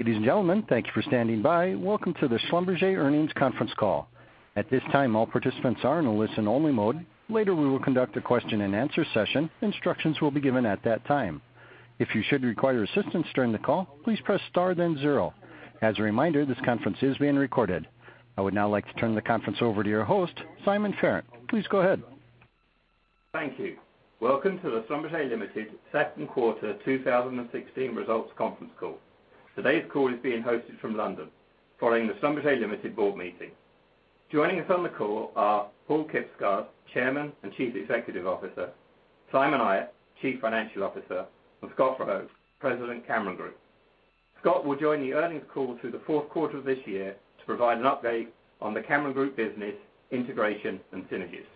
Ladies and gentlemen, thank you for standing by. Welcome to the Schlumberger Earnings Conference Call. At this time, all participants are in a listen-only mode. Later, we will conduct a question-and-answer session. Instructions will be given at that time. If you should require assistance during the call, please press star then zero. As a reminder, this conference is being recorded. I would now like to turn the conference over to your host, Simon Farrant. Please go ahead. Thank you. Welcome to the Schlumberger Limited Second Quarter 2016 Results Conference Call. Today's call is being hosted from London following the Schlumberger Limited board meeting. Joining us on the call are Paal Kibsgaard, Chairman and Chief Executive Officer, Simon Ayat, Chief Financial Officer, and Scott Rowe, President Cameron Group. Scott will join the earnings call through the fourth quarter of this year to provide an update on the Cameron Group business, integration, and synergies.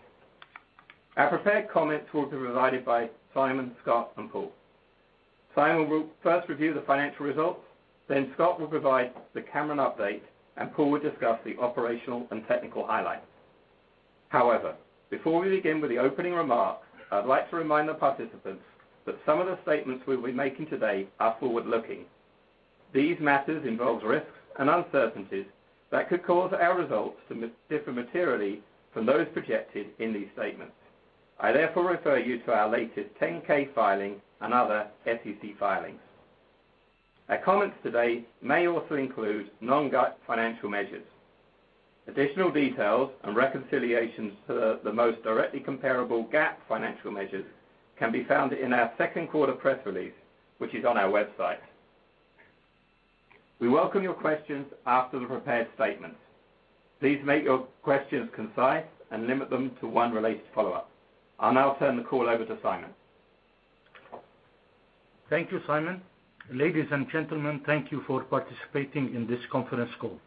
Our prepared comments will be provided by Simon, Scott, and Paal. Simon will first review the financial results, then Scott will provide the Cameron update, and Paal will discuss the operational and technical highlights. However, before we begin with the opening remarks, I'd like to remind the participants that some of the statements we'll be making today are forward-looking. These matters involve risks and uncertainties that could cause our results to differ materially from those projected in these statements. I therefore refer you to our latest 10-K filing and other SEC filings. Our comments today may also include non-GAAP financial measures. Additional details and reconciliations to the most directly comparable GAAP financial measures can be found in our second quarter press release, which is on our website. We welcome your questions after the prepared statements. Please make your questions concise and limit them to one related follow-up. I'll now turn the call over to Simon. Thank you, Simon. Ladies and gentlemen, thank you for participating in this conference call.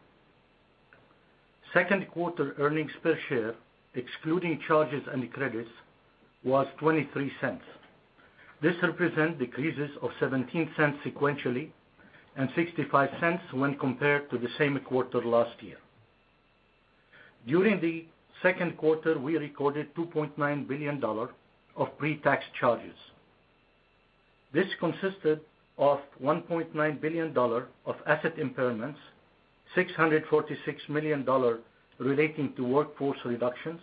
Second quarter earnings per share, excluding charges and credits, was $0.23. This represents decreases of $0.17 sequentially and $0.65 when compared to the same quarter last year. During the second quarter, we recorded $2.9 billion of pre-tax charges. This consisted of $1.9 billion of asset impairments, $646 million relating to workforce reductions,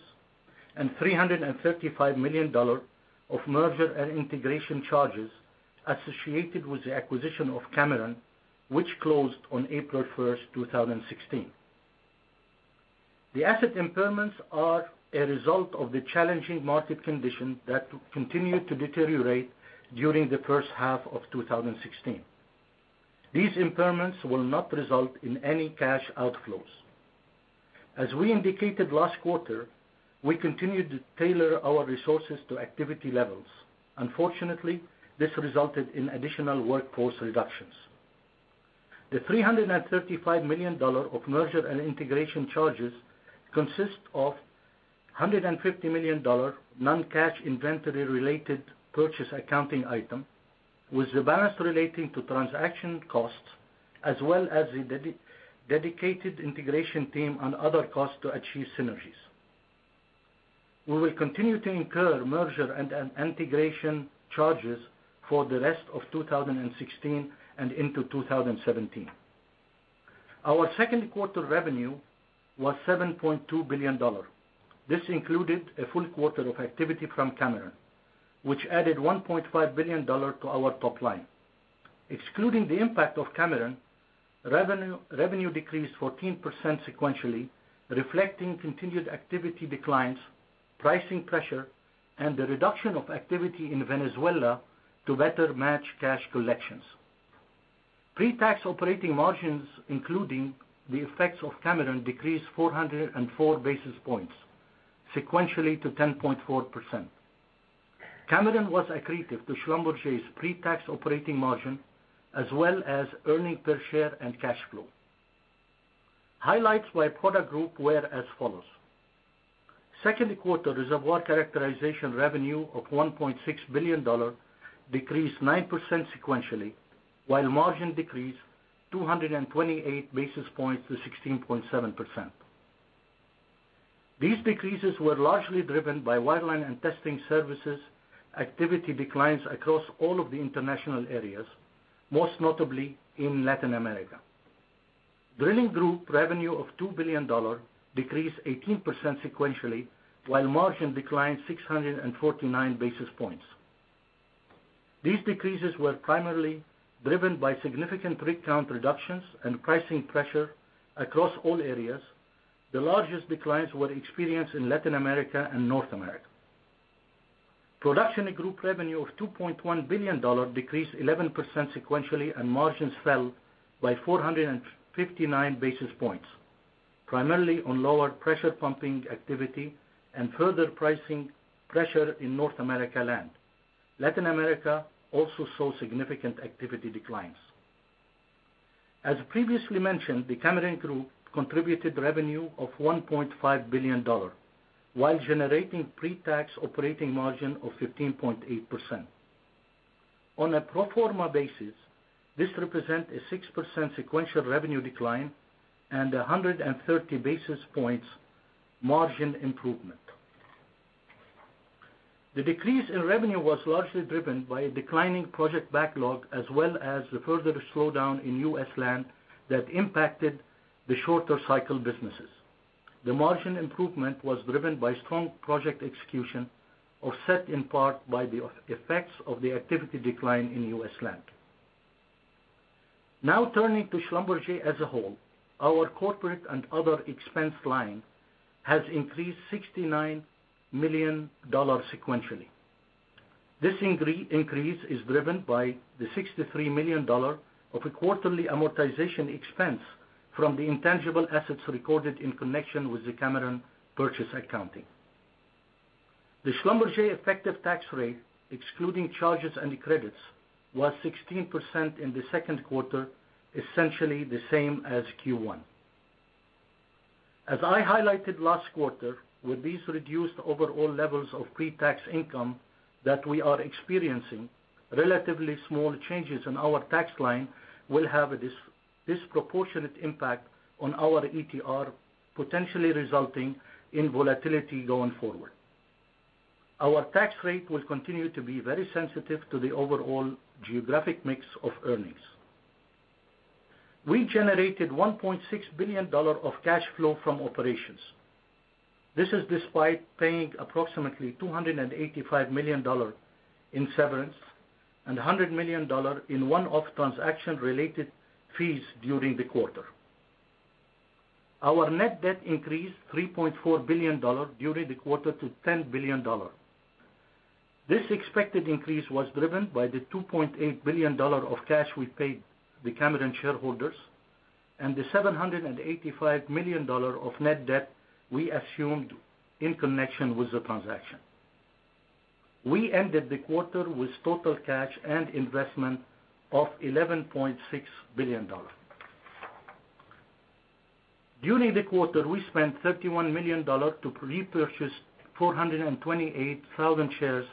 and $335 million of merger and integration charges associated with the acquisition of Cameron, which closed on April 1st, 2016. The asset impairments are a result of the challenging market condition that continued to deteriorate during the first half of 2016. These impairments will not result in any cash outflows. As we indicated last quarter, we continued to tailor our resources to activity levels. Unfortunately, this resulted in additional workforce reductions. The $335 million of merger and integration charges consist of $150 million non-cash inventory related purchase accounting item, with the balance relating to transaction costs, as well as the dedicated integration team and other costs to achieve synergies. We will continue to incur merger and integration charges for the rest of 2016 and into 2017. Our second quarter revenue was $7.2 billion. This included a full quarter of activity from Cameron, which added $1.5 billion to our top line. Excluding the impact of Cameron, revenue decreased 14% sequentially, reflecting continued activity declines, pricing pressure, and the reduction of activity in Venezuela to better match cash collections. Pre-tax operating margins, including the effects of Cameron, decreased 404 basis points sequentially to 10.4%. Cameron was accretive to Schlumberger's pre-tax operating margin, as well as earnings per share and cash flow. Highlights by Product Group were as follows. Second quarter Reservoir Characterization revenue of $1.6 billion decreased 9% sequentially, while margin decreased 228 basis points to 16.7%. These decreases were largely driven by wireline and testing services activity declines across all of the international areas, most notably in Latin America. Drilling Group revenue of $2 billion decreased 18% sequentially, while margin declined 649 basis points. These decreases were primarily driven by significant rig count reductions and pricing pressure across all areas. The largest declines were experienced in Latin America and North America. Production Group revenue of $2.1 billion decreased 11% sequentially, and margins fell by 459 basis points, primarily on lower pressure pumping activity and further pricing pressure in North America land. Latin America also saw significant activity declines. As previously mentioned, the Cameron Group contributed revenue of $1.5 billion while generating pre-tax operating margin of 15.8%. On a pro forma basis, this represents a 6% sequential revenue decline and 130 basis points margin improvement. The decrease in revenue was largely driven by a declining project backlog as well as the further slowdown in U.S. land that impacted the shorter cycle businesses. The margin improvement was driven by strong project execution, offset in part by the effects of the activity decline in U.S. land. Now turning to Schlumberger as a whole. Our corporate and other expense line has increased $69 million sequentially. This increase is driven by the $63 million of quarterly amortization expense from the intangible assets recorded in connection with the Cameron purchase accounting. The Schlumberger effective tax rate, excluding charges and credits, was 16% in the second quarter, essentially the same as Q1. As I highlighted last quarter, with these reduced overall levels of pre-tax income that we are experiencing, relatively small changes in our tax line will have a disproportionate impact on our ETR, potentially resulting in volatility going forward. We generated $1.6 billion of cash flow from operations. This is despite paying approximately $285 million in severance and $100 million in one-off transaction related fees during the quarter. Our net debt increased $3.4 billion during the quarter to $10 billion. This expected increase was driven by the $2.8 billion of cash we paid the Cameron shareholders and the $785 million of net debt we assumed in connection with the transaction. We ended the quarter with total cash and investment of $11.6 billion. During the quarter, we spent $31 million to repurchase 428,000 shares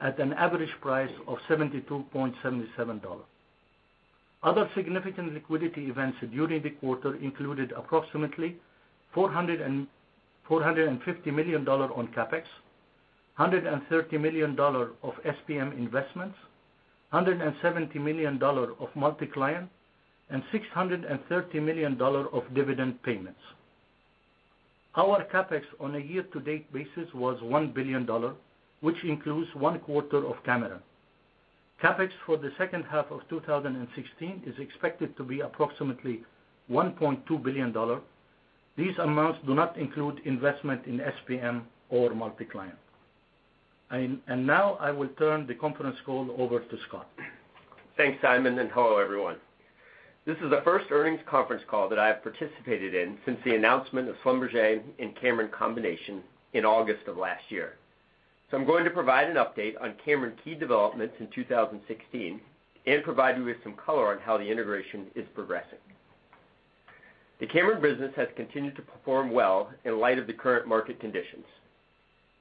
at an average price of $72.77. Other significant liquidity events during the quarter included approximately $450 million on CapEx, $130 million of SPM investments, $170 million of multi-client, and $630 million of dividend payments. Our CapEx on a year-to-date basis was $1 billion, which includes one quarter of Cameron. CapEx for the second half of 2016 is expected to be approximately $1.2 billion. These amounts do not include investment in SPM or multi-client. Now I will turn the conference call over to Scott. Thanks, Simon, and hello, everyone. This is the first earnings conference call that I have participated in since the announcement of Schlumberger and Cameron combination in August of last year. I'm going to provide an update on Cameron key developments in 2016 and provide you with some color on how the integration is progressing. The Cameron business has continued to perform well in light of the current market conditions.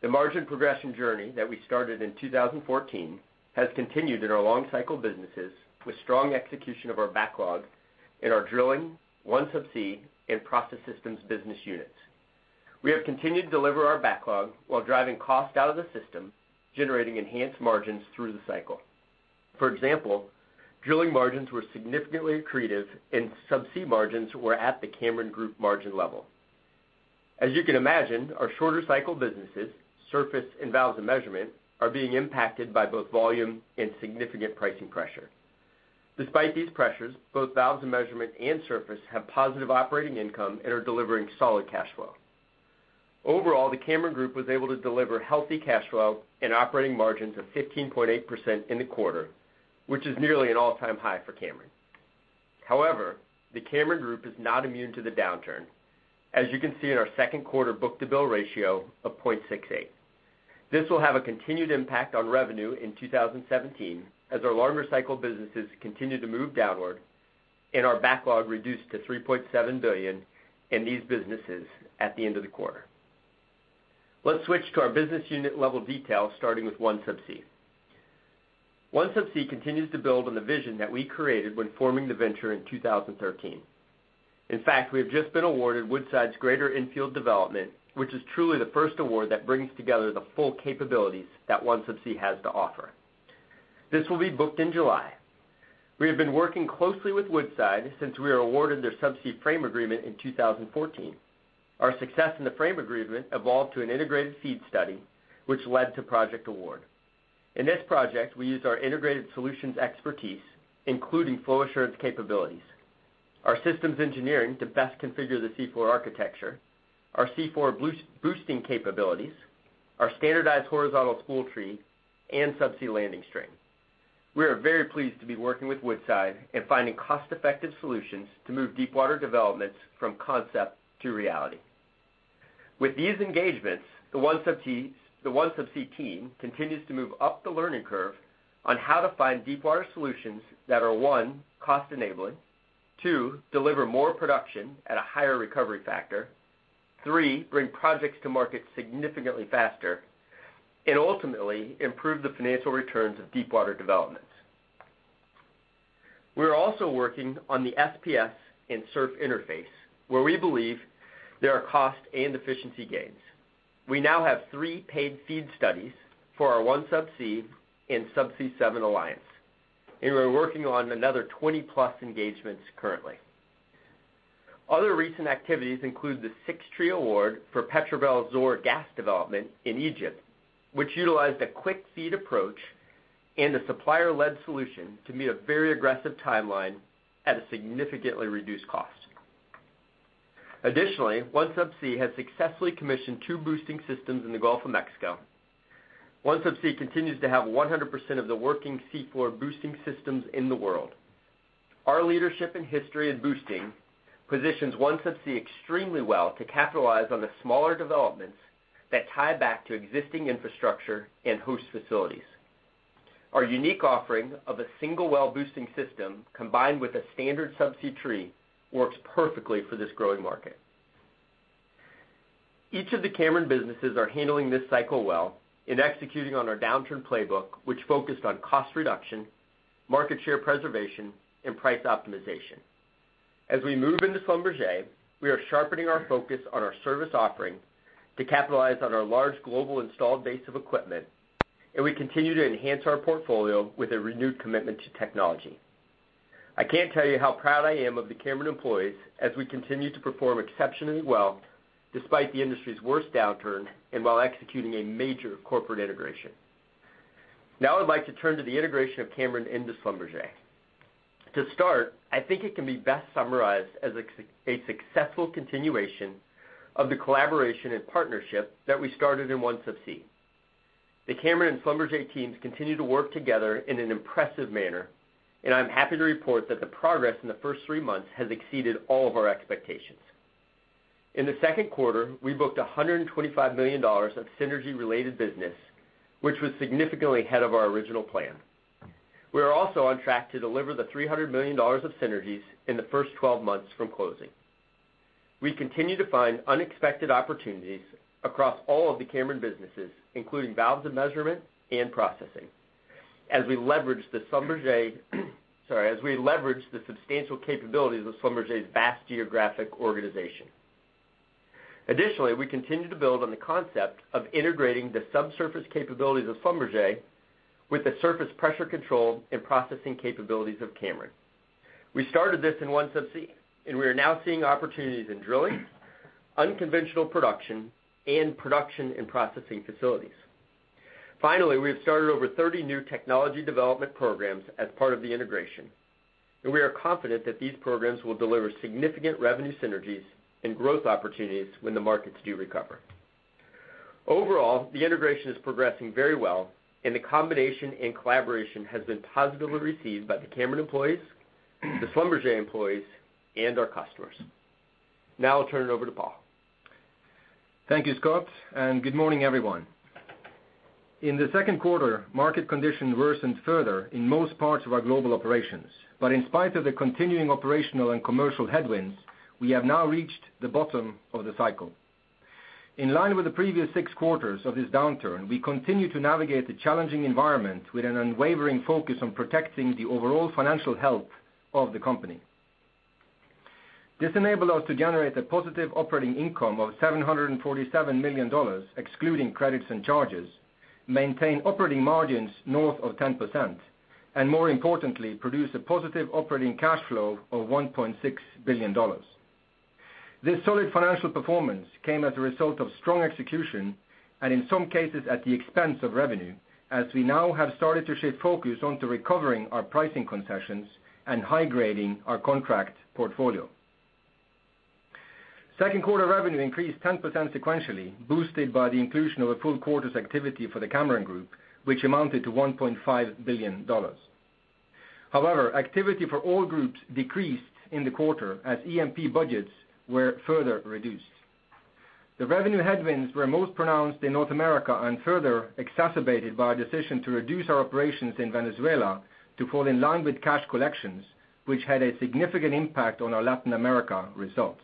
The margin progression journey that we started in 2014 has continued in our long cycle businesses with strong execution of our backlog in our Drilling, OneSubsea, and Production Systems business units. We have continued to deliver our backlog while driving cost out of the system, generating enhanced margins through the cycle. For example, Drilling margins were significantly accretive, and Subsea margins were at the Cameron Group margin level. As you can imagine, our shorter cycle businesses, surface and Valves and Measurement, are being impacted by both volume and significant pricing pressure. Despite these pressures, both Valves and Measurement and surface have positive operating income and are delivering solid cash flow. Overall, the Cameron Group was able to deliver healthy cash flow and operating margins of 15.8% in the quarter, which is nearly an all-time high for Cameron. However, the Cameron Group is not immune to the downturn. As you can see in our second quarter book-to-bill ratio of 0.68. This will have a continued impact on revenue in 2017 as our longer cycle businesses continue to move downward and our backlog reduced to $3.7 billion in these businesses at the end of the quarter. Let's switch to our business unit level detail, starting with OneSubsea. OneSubsea continues to build on the vision that we created when forming the venture in 2013. In fact, we have just been awarded Woodside's Greater Enfield Development, which is truly the first award that brings together the full capabilities that OneSubsea has to offer. This will be booked in July. We have been working closely with Woodside since we were awarded their subsea frame agreement in 2014. Our success in the frame agreement evolved to an integrated FEED study, which led to project award. In this project, we used our integrated solutions expertise, including flow assurance capabilities, our systems engineering to best configure the C4 architecture, our C4 boosting capabilities, our standardized horizontal spool tree, and subsea landing string. We are very pleased to be working with Woodside and finding cost-effective solutions to move deepwater developments from concept to reality. With these engagements, the OneSubsea team continues to move up the learning curve on how to find deepwater solutions that are, one, cost-enabling, two, deliver more production at a higher recovery factor, three, bring projects to market significantly faster, and ultimately improve the financial returns of deepwater developments. We're also working on the SPS and SURF interface, where we believe there are cost and efficiency gains. We now have three paid FEED studies for our OneSubsea and Subsea 7 alliance, and we're working on another 20-plus engagements currently. Other recent activities include the 6 Tree award for Petrobel Zohr gas development in Egypt, which utilized a quick FEED approach and a supplier-led solution to meet a very aggressive timeline at a significantly reduced cost. Additionally, OneSubsea has successfully commissioned two boosting systems in the Gulf of Mexico. OneSubsea continues to have 100% of the working seafloor boosting systems in the world. Our leadership and history in boosting positions OneSubsea extremely well to capitalize on the smaller developments that tie back to existing infrastructure and host facilities. Our unique offering of a single well-boosting system combined with a standard subsea tree works perfectly for this growing market. Each of the Cameron businesses are handling this cycle well in executing on our downturn playbook, which focused on cost reduction, market share preservation, and price optimization. As we move into Schlumberger, we are sharpening our focus on our service offering to capitalize on our large global installed base of equipment, and we continue to enhance our portfolio with a renewed commitment to technology. I can't tell you how proud I am of the Cameron employees as we continue to perform exceptionally well despite the industry's worst downturn and while executing a major corporate integration. Now I'd like to turn to the integration of Cameron into Schlumberger. To start, I think it can be best summarized as a successful continuation of the collaboration and partnership that we started in OneSubsea. The Cameron and Schlumberger teams continue to work together in an impressive manner, I'm happy to report that the progress in the first three months has exceeded all of our expectations. In the second quarter, we booked $125 million of synergy-related business, which was significantly ahead of our original plan. We are also on track to deliver the $300 million of synergies in the first 12 months from closing. We continue to find unexpected opportunities across all of the Cameron businesses, including Valves and Measurement and processing as we leverage the substantial capabilities of Schlumberger's vast geographic organization. Additionally, we continue to build on the concept of integrating the subsurface capabilities of Schlumberger with the surface pressure control and processing capabilities of Cameron. We started this in OneSubsea, we are now seeing opportunities in Drilling, unconventional Production, and Production in processing facilities. Finally, we have started over 30 new technology development programs as part of the integration, we are confident that these programs will deliver significant revenue synergies and growth opportunities when the markets do recover. Overall, the integration is progressing very well, the combination and collaboration has been positively received by the Cameron employees, the Schlumberger employees, and our customers. Now I'll turn it over to Paal. Thank you, Scott, and good morning, everyone. In the second quarter, market conditions worsened further in most parts of our global operations. In spite of the continuing operational and commercial headwinds, we have now reached the bottom of the cycle. In line with the previous six quarters of this downturn, we continue to navigate the challenging environment with an unwavering focus on protecting the overall financial health of the company. This enabled us to generate a positive operating income of $747 million, excluding credits and charges, maintain operating margins north of 10%, and more importantly, produce a positive operating cash flow of $1.6 billion. This solid financial performance came as a result of strong execution, and in some cases, at the expense of revenue, as we now have started to shift focus onto recovering our pricing concessions and high-grading our contract portfolio. Second quarter revenue increased 10% sequentially, boosted by the inclusion of a full quarter's activity for the Cameron Group, which amounted to $1.5 billion. Activity for all groups decreased in the quarter as E&P budgets were further reduced. The revenue headwinds were most pronounced in North America and further exacerbated by a decision to reduce our operations in Venezuela to fall in line with cash collections, which had a significant impact on our Latin America results.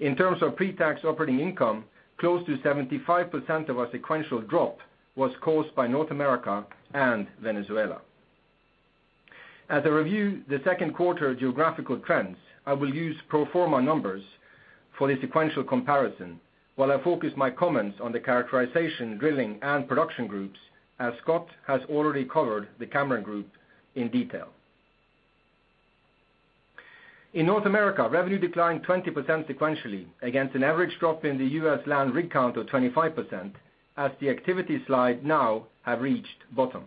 In terms of pre-tax operating income, close to 75% of our sequential drop was caused by North America and Venezuela. As I review the second quarter geographical trends, I will use pro forma numbers for the sequential comparison while I focus my comments on the Reservoir Characterization, Drilling Group, and Production Group, as Scott has already covered the Cameron Group in detail. In North America, revenue declined 20% sequentially against an average drop in the U.S. land rig count of 25% as the activity slide now have reached bottom.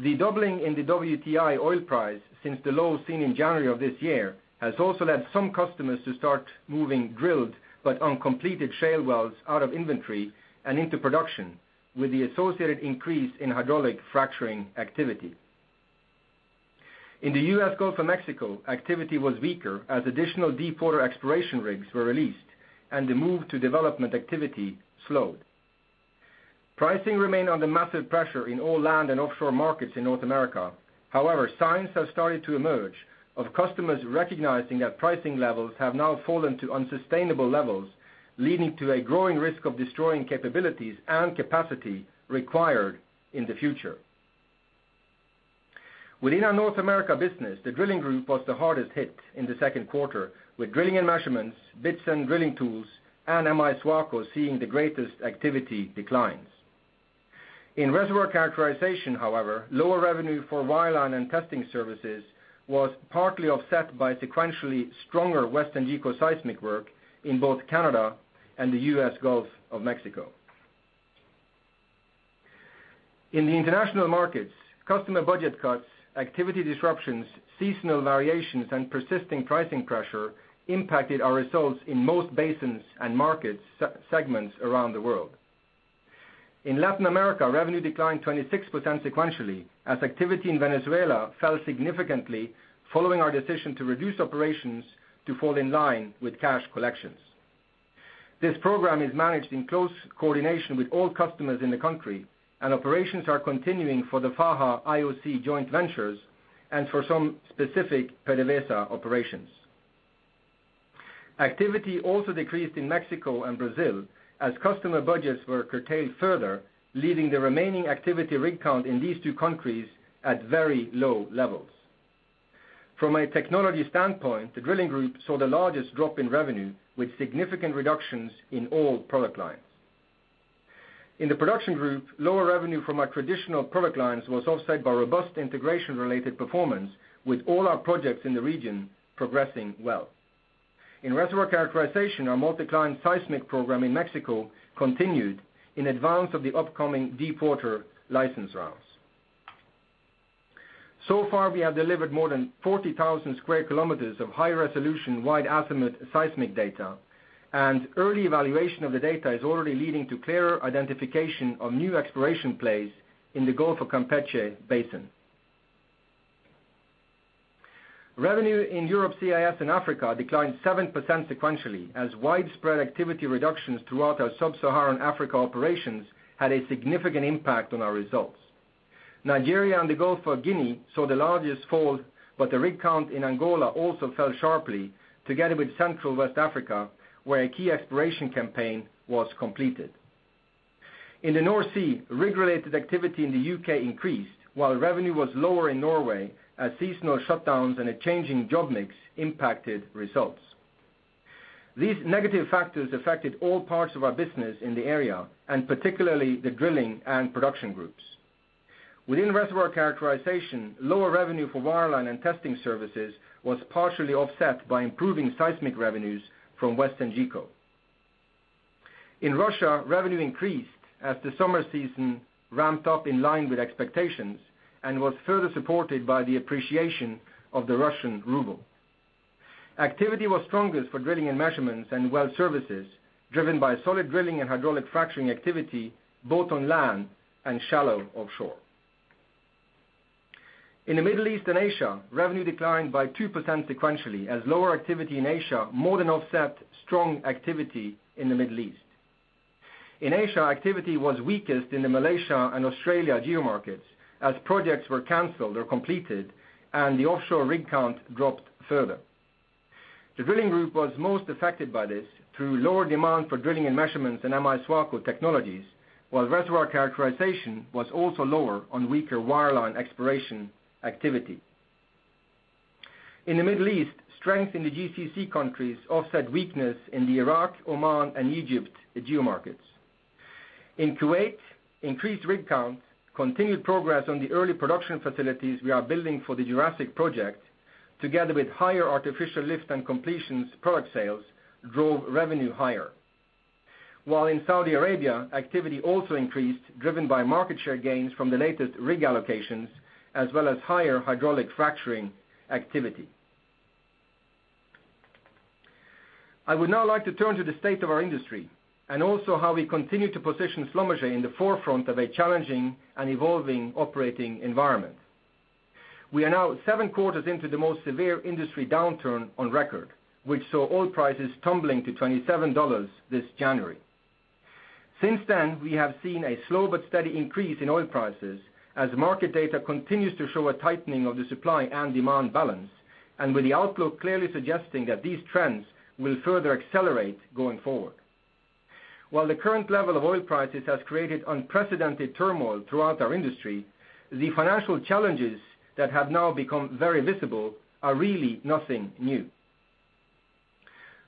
The doubling in the WTI oil price since the low seen in January of this year has also led some customers to start moving Drilled but Uncompleted shale wells out of inventory and into production with the associated increase in hydraulic fracturing activity. In the U.S. Gulf of Mexico, activity was weaker as additional deepwater exploration rigs were released and the move to development activity slowed. Pricing remained under massive pressure in all land and offshore markets in North America. Signs have started to emerge of customers recognizing that pricing levels have now fallen to unsustainable levels, leading to a growing risk of destroying capabilities and capacity required in the future. Within our North America business, the Drilling Group was the hardest hit in the second quarter, with Drilling & Measurements, Bits & Drilling Tools, and M-I SWACO seeing the greatest activity declines. In Reservoir Characterization, however, lower revenue for wireline and testing services was partly offset by sequentially stronger WesternGeco seismic work in both Canada and the U.S. Gulf of Mexico. In the international markets, customer budget cuts, activity disruptions, seasonal variations, and persisting pricing pressure impacted our results in most basins and market segments around the world. In Latin America, revenue declined 26% sequentially, as activity in Venezuela fell significantly following our decision to reduce operations to fall in line with cash collections. This program is managed in close coordination with all customers in the country, and operations are continuing for the Faja IOC joint ventures and for some specific PDVSA operations. Activity also decreased in Mexico and Brazil as customer budgets were curtailed further, leaving the remaining activity rig count in these two countries at very low levels. From a technology standpoint, the Drilling Group saw the largest drop in revenue, with significant reductions in all product lines. In the Production Group, lower revenue from our traditional product lines was offset by robust integration-related performance, with all our projects in the region progressing well. In reservoir characterization, our multi-client seismic program in Mexico continued in advance of the upcoming deepwater license rounds. So far, we have delivered more than 40,000 square kilometers of high-resolution, wide-azimuth seismic data, and early evaluation of the data is already leading to clearer identification of new exploration plays in the Gulf of Campeche basin. Revenue in Europe, CIS, and Africa declined 7% sequentially, as widespread activity reductions throughout our Sub-Saharan Africa operations had a significant impact on our results. Nigeria and the Gulf of Guinea saw the largest fall, but the rig count in Angola also fell sharply, together with Central West Africa, where a key exploration campaign was completed. In the North Sea, rig-related activity in the U.K. increased while revenue was lower in Norway as seasonal shutdowns and a changing job mix impacted results. These negative factors affected all parts of our business in the area, and particularly the Drilling Group and Production Group. Within reservoir characterization, lower revenue for wireline and testing services was partially offset by improving seismic revenues from WesternGeco. In Russia, revenue increased as the summer season ramped up in line with expectations and was further supported by the appreciation of the Russian ruble. Activity was strongest for drilling and measurements and well services, driven by solid drilling and hydraulic fracturing activity both on land and shallow offshore. In the Middle East and Asia, revenue declined by 2% sequentially as lower activity in Asia more than offset strong activity in the Middle East. In Asia, activity was weakest in the Malaysia and Australia geomarkets, as projects were canceled or completed, and the offshore rig count dropped further. The Drilling Group was most affected by this through lower demand for drilling and measurements in M-I SWACO technologies, while reservoir characterization was also lower on weaker wireline exploration activity. In the Middle East, strength in the GCC countries offset weakness in the Iraq, Oman, and Egypt geomarkets. In Kuwait, increased rig count, continued progress on the early production facilities we are building for the Jurassic project, together with higher artificial lift and completions product sales drove revenue higher. While in Saudi Arabia, activity also increased, driven by market share gains from the latest rig allocations, as well as higher hydraulic fracturing activity. I would now like to turn to the state of our industry and also how we continue to position Schlumberger in the forefront of a challenging and evolving operating environment. We are now seven quarters into the most severe industry downturn on record, which saw oil prices tumbling to $27 this January. Since then, we have seen a slow but steady increase in oil prices as market data continues to show a tightening of the supply and demand balance, and with the outlook clearly suggesting that these trends will further accelerate going forward. While the current level of oil prices has created unprecedented turmoil throughout our industry, the financial challenges that have now become very visible are really nothing new.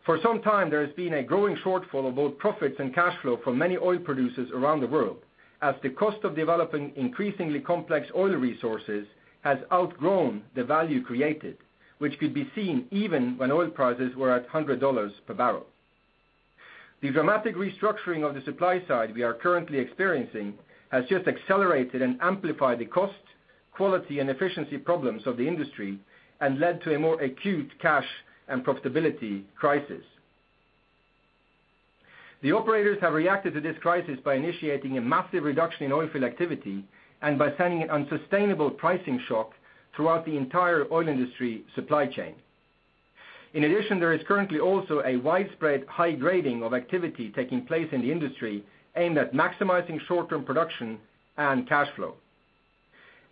For some time, there has been a growing shortfall of both profits and cash flow for many oil producers around the world, as the cost of developing increasingly complex oil resources has outgrown the value created, which could be seen even when oil prices were at $100 per barrel. The dramatic restructuring of the supply side we are currently experiencing has just accelerated and amplified the cost, quality, and efficiency problems of the industry and led to a more acute cash and profitability crisis. The operators have reacted to this crisis by initiating a massive reduction in oilfield activity and by sending an unsustainable pricing shock throughout the entire oil industry supply chain. In addition, there is currently also a widespread high-grading of activity taking place in the industry aimed at maximizing short-term production and cash flow.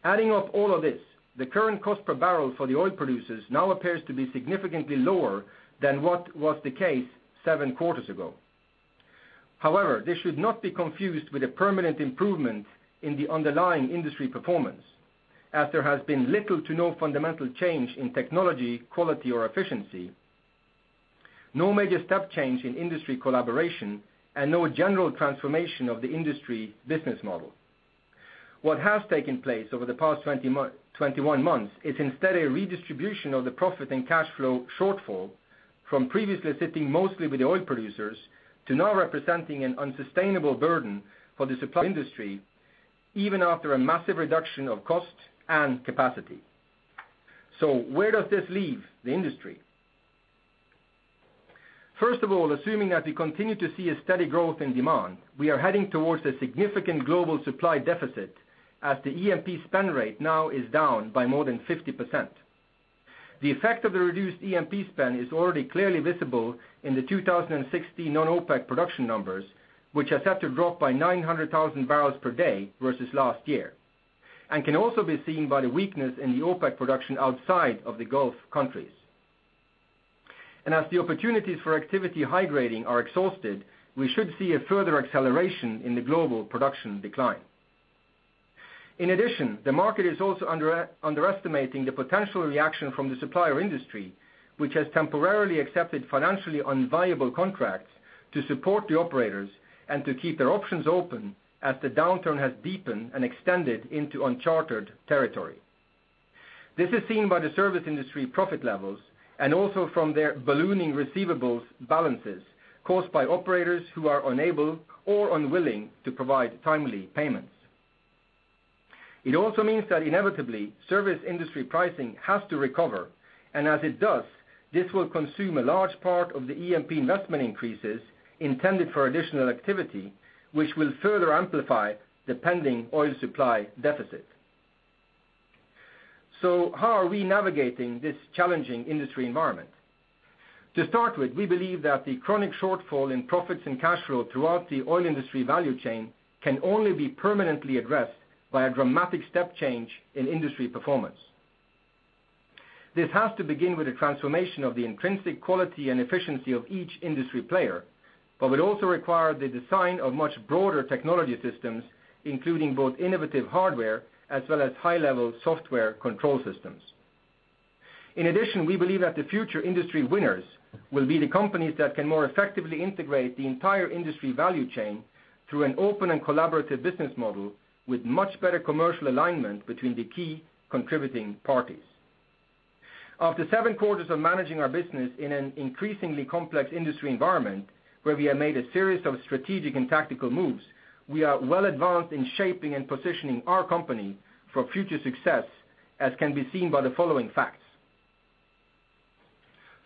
Adding up all of this, the current cost per barrel for the oil producers now appears to be significantly lower than what was the case seven quarters ago. However, this should not be confused with a permanent improvement in the underlying industry performance, as there has been little to no fundamental change in technology, quality, or efficiency, no major step change in industry collaboration, and no general transformation of the industry business model. What has taken place over the past 21 months is instead a redistribution of the profit and cash flow shortfall from previously sitting mostly with the oil producers, to now representing an unsustainable burden for the supplier industry, even after a massive reduction of cost and capacity. Where does this leave the industry? First of all, assuming that we continue to see a steady growth in demand, we are heading towards a significant global supply deficit as the E&P spend rate now is down by more than 50%. The effect of the reduced E&P spend is already clearly visible in the 2016 non-OPEC production numbers, which are set to drop by 900,000 barrels per day versus last year, and can also be seen by the weakness in the OPEC production outside of the Gulf countries. As the opportunities for activity high-grading are exhausted, we should see a further acceleration in the global production decline. In addition, the market is also underestimating the potential reaction from the supplier industry, which has temporarily accepted financially unviable contracts to support the operators and to keep their options open as the downturn has deepened and extended into uncharted territory. This is seen by the service industry profit levels, and also from their ballooning receivables balances caused by operators who are unable or unwilling to provide timely payments. It also means that inevitably, service industry pricing has to recover, and as it does, this will consume a large part of the E&P investment increases intended for additional activity, which will further amplify the pending oil supply deficit. How are we navigating this challenging industry environment? To start with, we believe that the chronic shortfall in profits and cash flow throughout the oil industry value chain can only be permanently addressed by a dramatic step change in industry performance. This has to begin with a transformation of the intrinsic quality and efficiency of each industry player, but will also require the design of much broader technology systems, including both innovative hardware as well as high-level software control systems. We believe that the future industry winners will be the companies that can more effectively integrate the entire industry value chain through an open and collaborative business model with much better commercial alignment between the key contributing parties. After seven quarters of managing our business in an increasingly complex industry environment, where we have made a series of strategic and tactical moves, we are well advanced in shaping and positioning our company for future success, as can be seen by the following facts.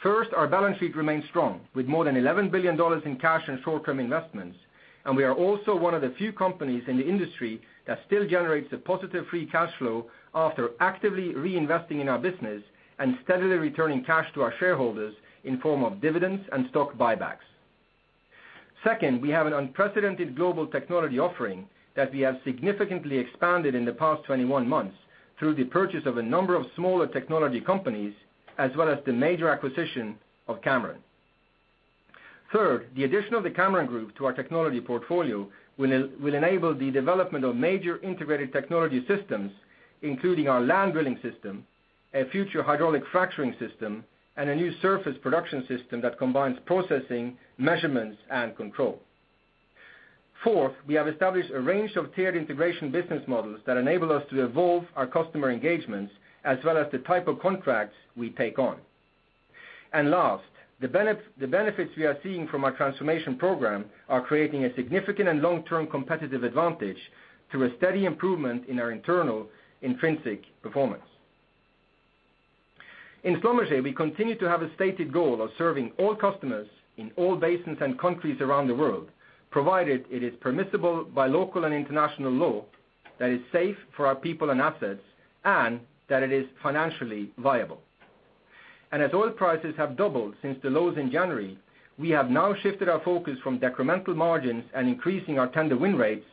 First, our balance sheet remains strong with more than $11 billion in cash and short-term investments, and we are also one of the few companies in the industry that still generates a positive free cash flow after actively reinvesting in our business and steadily returning cash to our shareholders in form of dividends and stock buybacks. Second, we have an unprecedented global technology offering that we have significantly expanded in the past 21 months through the purchase of a number of smaller technology companies, as well as the major acquisition of Cameron. Third, the addition of the Cameron Group to our technology portfolio will enable the development of major integrated technology systems, including our land drilling system, a future hydraulic fracturing system, and a new surface production system that combines processing, measurements, and control. Fourth, we have established a range of tiered integration business models that enable us to evolve our customer engagements as well as the type of contracts we take on. Last, the benefits we are seeing from our transformation program are creating a significant and long-term competitive advantage through a steady improvement in our internal intrinsic performance. In Schlumberger, we continue to have a stated goal of serving all customers in all basins and countries around the world, provided it is permissible by local and international law, that it is safe for our people and assets, and that it is financially viable. As oil prices have doubled since the lows in January, we have now shifted our focus from decremental margins and increasing our tender win rates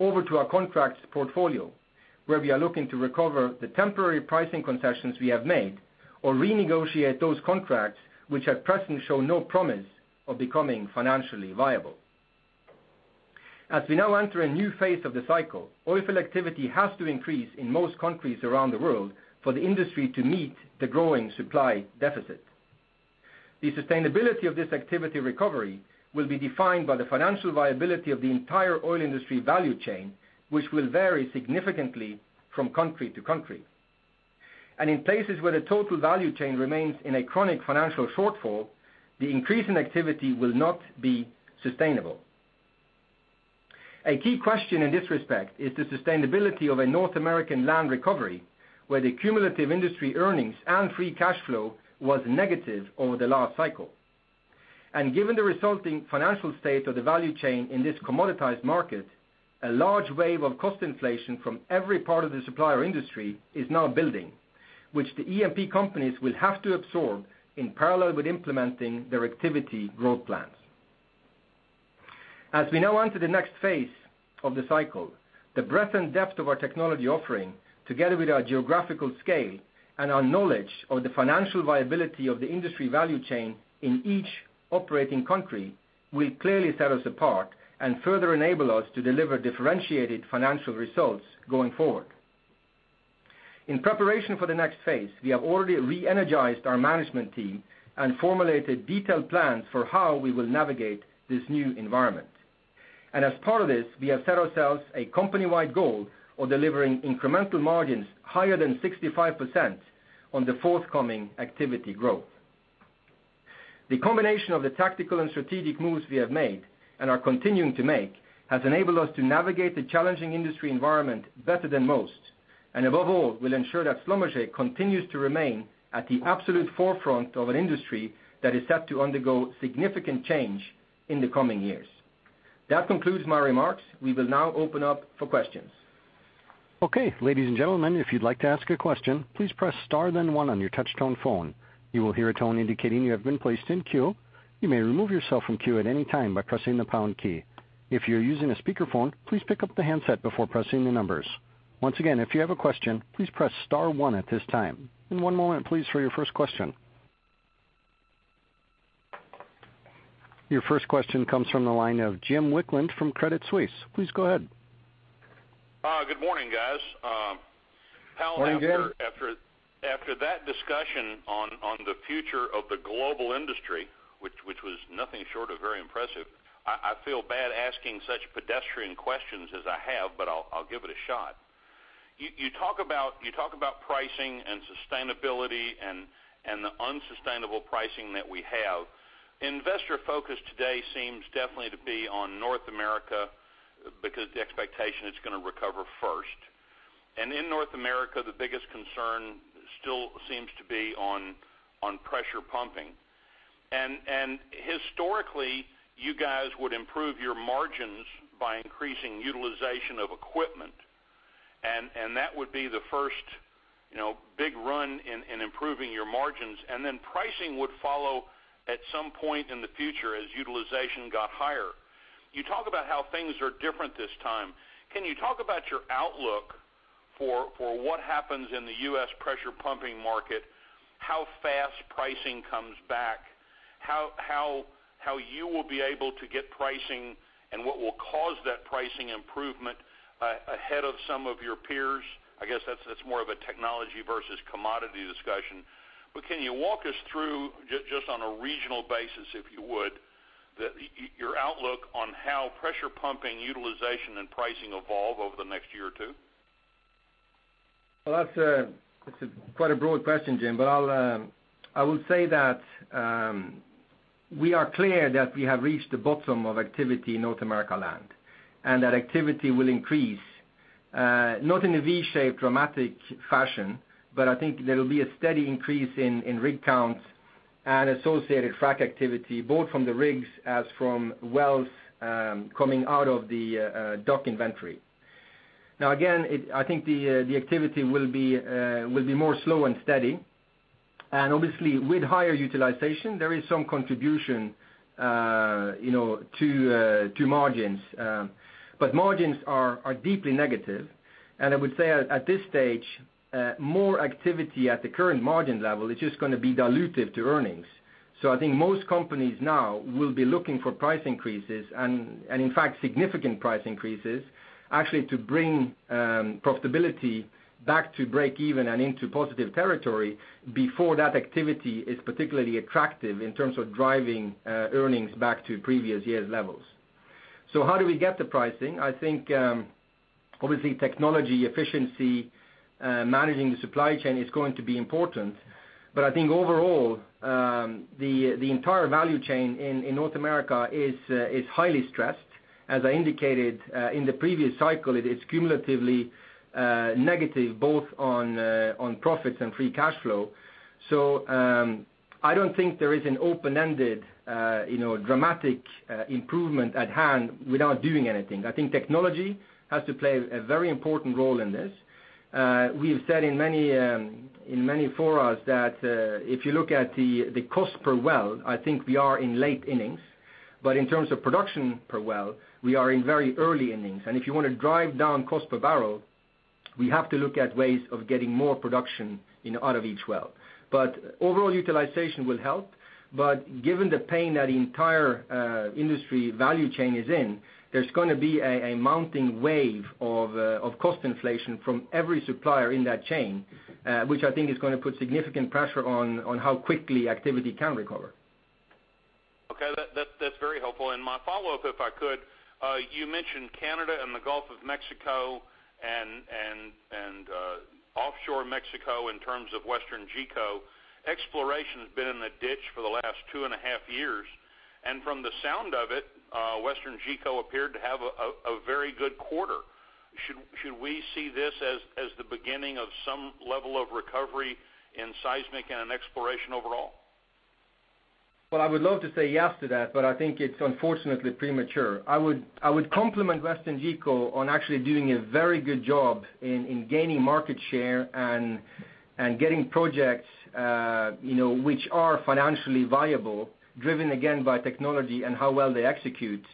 over to our contracts portfolio, where we are looking to recover the temporary pricing concessions we have made or renegotiate those contracts which at present show no promise of becoming financially viable. As we now enter a new phase of the cycle, oil field activity has to increase in most countries around the world for the industry to meet the growing supply deficit. The sustainability of this activity recovery will be defined by the financial viability of the entire oil industry value chain, which will vary significantly from country to country. In places where the total value chain remains in a chronic financial shortfall, the increase in activity will not be sustainable. A key question in this respect is the sustainability of a North American land recovery, where the cumulative industry earnings and free cash flow was negative over the last cycle. Given the resulting financial state of the value chain in this commoditized market, a large wave of cost inflation from every part of the supplier industry is now building, which the E&P companies will have to absorb in parallel with implementing their activity growth plans. As we now enter the next phase of the cycle, the breadth and depth of our technology offering, together with our geographical scale and our knowledge of the financial viability of the industry value chain in each operating country, will clearly set us apart and further enable us to deliver differentiated financial results going forward. In preparation for the next phase, we have already re-energized our management team and formulated detailed plans for how we will navigate this new environment. As part of this, we have set ourselves a company-wide goal of delivering incremental margins higher than 65% on the forthcoming activity growth. The combination of the tactical and strategic moves we have made, and are continuing to make, has enabled us to navigate the challenging industry environment better than most, and above all, will ensure that Schlumberger continues to remain at the absolute forefront of an industry that is set to undergo significant change in the coming years. That concludes my remarks. We will now open up for questions. Okay. Ladies and gentlemen, if you'd like to ask a question, please press star then one on your touch-tone phone. You will hear a tone indicating you have been placed in queue. You may remove yourself from queue at any time by pressing the pound key. If you're using a speakerphone, please pick up the handset before pressing the numbers. Once again, if you have a question, please press star one at this time. One moment, please, for your first question. Your first question comes from the line of James Wicklund from Credit Suisse. Please go ahead. Good morning, guys. Morning, Jim. Paal, after that discussion on the future of the global industry, which was nothing short of very impressive, I feel bad asking such pedestrian questions as I have, but I'll give it a shot. You talk about pricing and sustainability and the unsustainable pricing that we have. Investor focus today seems definitely to be on North America because the expectation it's going to recover first. In North America, the biggest concern still seems to be on pressure pumping. Historically, you guys would improve your margins by increasing utilization of equipment, and that would be the first big run in improving your margins, and then pricing would follow at some point in the future as utilization got higher. You talk about how things are different this time. Can you talk about your outlook for what happens in the U.S. pressure pumping market, how fast pricing comes back, how you will be able to get pricing, and what will cause that pricing improvement ahead of some of your peers? I guess that's more of a technology versus commodity discussion. Can you walk us through, just on a regional basis, if you would, your outlook on how pressure pumping utilization and pricing evolve over the next year or two? Well, that's quite a broad question, Jim, but I will say that we are clear that we have reached the bottom of activity in North America land, and that activity will increase, not in a V-shaped dramatic fashion, but I think there will be a steady increase in rig counts and associated frac activity, both from the rigs as from wells coming out of the DUC inventory. Now, again, I think the activity will be more slow and steady. Obviously, with higher utilization, there is some contribution to margins. Margins are deeply negative. I would say at this stage, more activity at the current margin level is just going to be dilutive to earnings. I think most companies now will be looking for price increases and, in fact, significant price increases, actually to bring profitability back to breakeven and into positive territory before that activity is particularly attractive in terms of driving earnings back to previous year's levels. How do we get the pricing? I think, obviously technology efficiency, managing the supply chain is going to be important. I think overall, the entire value chain in North America is highly stressed. As I indicated in the previous cycle, it is cumulatively negative, both on profits and free cash flow. I don't think there is an open-ended dramatic improvement at hand without doing anything. I think technology has to play a very important role in this. We have said in many forums that if you look at the cost per well, I think we are in late innings. In terms of production per well, we are in very early innings. If you want to drive down cost per barrel, we have to look at ways of getting more production out of each well. Overall utilization will help. Given the pain that the entire industry value chain is in, there's going to be a mounting wave of cost inflation from every supplier in that chain, which I think is going to put significant pressure on how quickly activity can recover. Okay. That's very helpful. My follow-up, if I could, you mentioned Canada and the Gulf of Mexico and offshore Mexico in terms of WesternGeco. Exploration has been in the ditch for the last two and a half years. From the sound of it, WesternGeco appeared to have a very good quarter. Should we see this as the beginning of some level of recovery in seismic and in exploration overall? I would love to say yes to that. I think it's unfortunately premature. I would compliment WesternGeco on actually doing a very good job in gaining market share and getting projects which are financially viable, driven again by technology and how well they execute.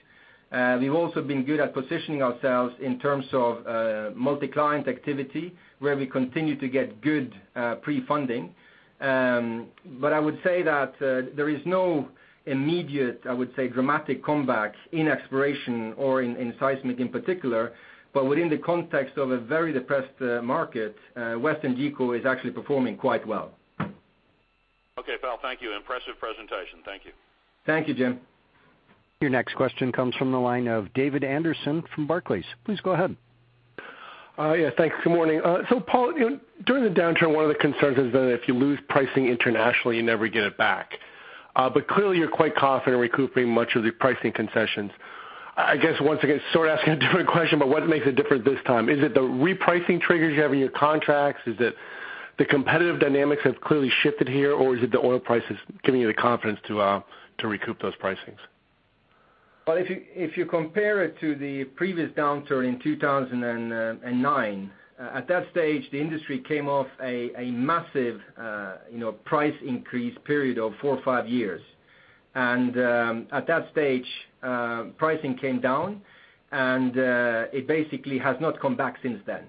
We've also been good at positioning ourselves in terms of multi-client activity, where we continue to get good pre-funding. I would say that there is no immediate, I would say, dramatic comeback in exploration or in seismic in particular. Within the context of a very depressed market, WesternGeco is actually performing quite well. Okay, Paal, thank you. Impressive presentation. Thank you. Thank you, Jim. Your next question comes from the line of David Anderson from Barclays. Please go ahead. Yeah, thanks. Good morning. Paal, during the downturn, one of the concerns has been that if you lose pricing internationally, you never get it back. Clearly, you're quite confident in recouping much of the pricing concessions. I guess, once again, sort of asking a different question, what makes it different this time? Is it the repricing triggers you have in your contracts? Is it the competitive dynamics have clearly shifted here, or is it the oil prices giving you the confidence to recoup those pricings? Well, if you compare it to the previous downturn in 2009, at that stage, the industry came off a massive price increase period of four or five years. At that stage, pricing came down, and it basically has not come back since then.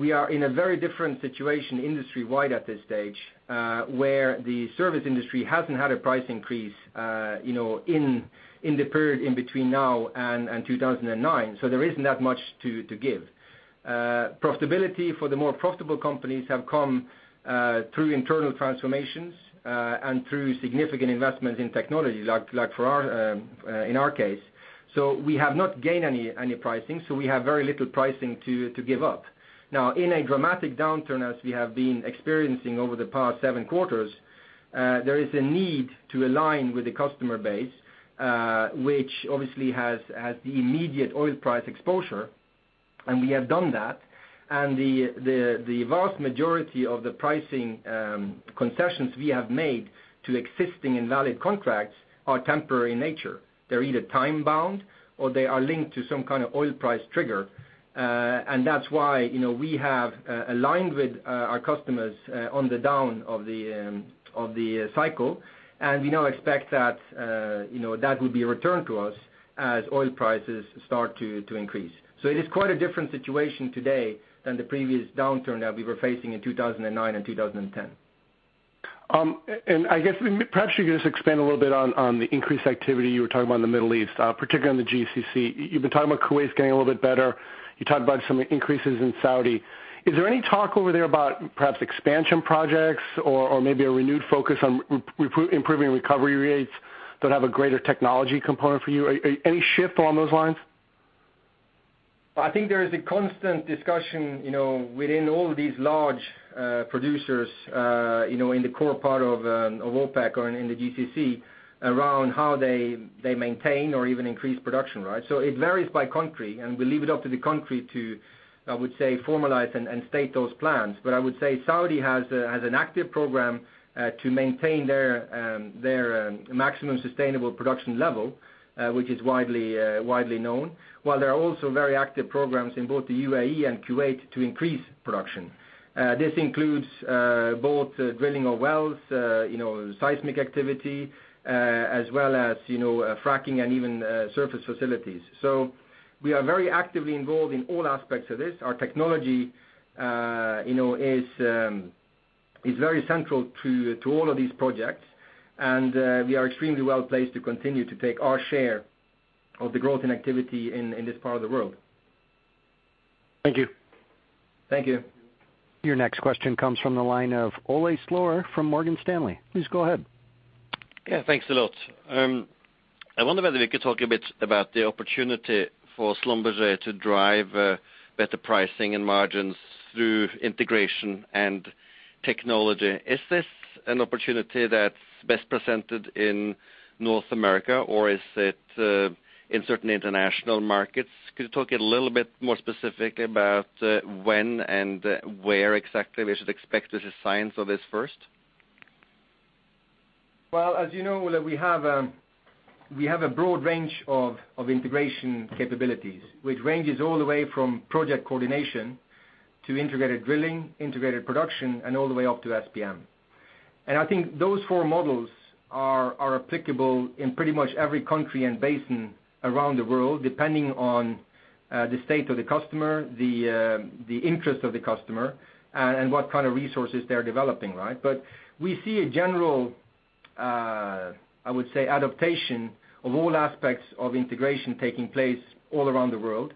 We are in a very different situation industry-wide at this stage, where the service industry hasn't had a price increase in the period in between now and 2009. There isn't that much to give. Profitability for the more profitable companies have come through internal transformations, and through significant investments in technology, like in our case. We have not gained any pricing, so we have very little pricing to give up. Now, in a dramatic downturn, as we have been experiencing over the past seven quarters, there is a need to align with the customer base, which obviously has the immediate oil price exposure, and we have done that. The vast majority of the pricing concessions we have made to existing and valid contracts are temporary in nature. They're either time-bound or they are linked to some kind of oil price trigger. That's why we have aligned with our customers on the down of the cycle, and we now expect that that would be returned to us as oil prices start to increase. It is quite a different situation today than the previous downturn that we were facing in 2009 and 2010. I guess, perhaps you could just expand a little bit on the increased activity you were talking about in the Middle East, particularly in the GCC. You've been talking about Kuwait getting a little bit better. You talked about some increases in Saudi. Is there any talk over there about perhaps expansion projects or maybe a renewed focus on improving recovery rates that have a greater technology component for you? Any shift along those lines? I think there is a constant discussion within all these large producers in the core part of OPEC or in the GCC around how they maintain or even increase production. It varies by country, and we leave it up to the country to, I would say, formalize and state those plans. I would say Saudi has an active program to maintain their maximum sustainable production level, which is widely known. While there are also very active programs in both the UAE and Kuwait to increase production. This includes both drilling of wells, seismic activity, as well as fracking and even surface facilities. We are very actively involved in all aspects of this. Our technology is very central to all of these projects, and we are extremely well-placed to continue to take our share of the growth and activity in this part of the world. Thank you. Thank you. Your next question comes from the line of Ole Slorer from Morgan Stanley. Please go ahead. Yeah, thanks a lot. I wonder whether we could talk a bit about the opportunity for Schlumberger to drive better pricing and margins through integration and technology. Is this an opportunity that is best presented in North America, or is it in certain international markets? Could you talk a little bit more specific about when and where exactly we should expect the signs of this first? Well, as you know, Ole, we have a broad range of integration capabilities, which ranges all the way from project coordination to integrated drilling, integrated production, and all the way up to SPM. I think those four models are applicable in pretty much every country and basin around the world, depending on the state of the customer, the interest of the customer, and what kind of resources they're developing. We see a general, I would say, adaptation of all aspects of integration taking place all around the world.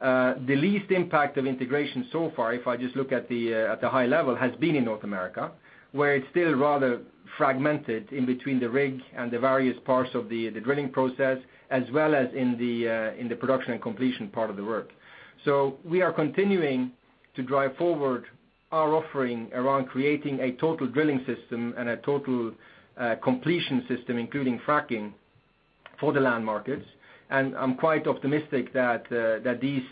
The least impact of integration so far, if I just look at the high level, has been in North America, where it's still rather fragmented in between the rig and the various parts of the drilling process, as well as in the production and completion part of the work. We are continuing to drive forward our offering around creating a total drilling system and a total completion system, including fracking for the land markets. I'm quite optimistic that these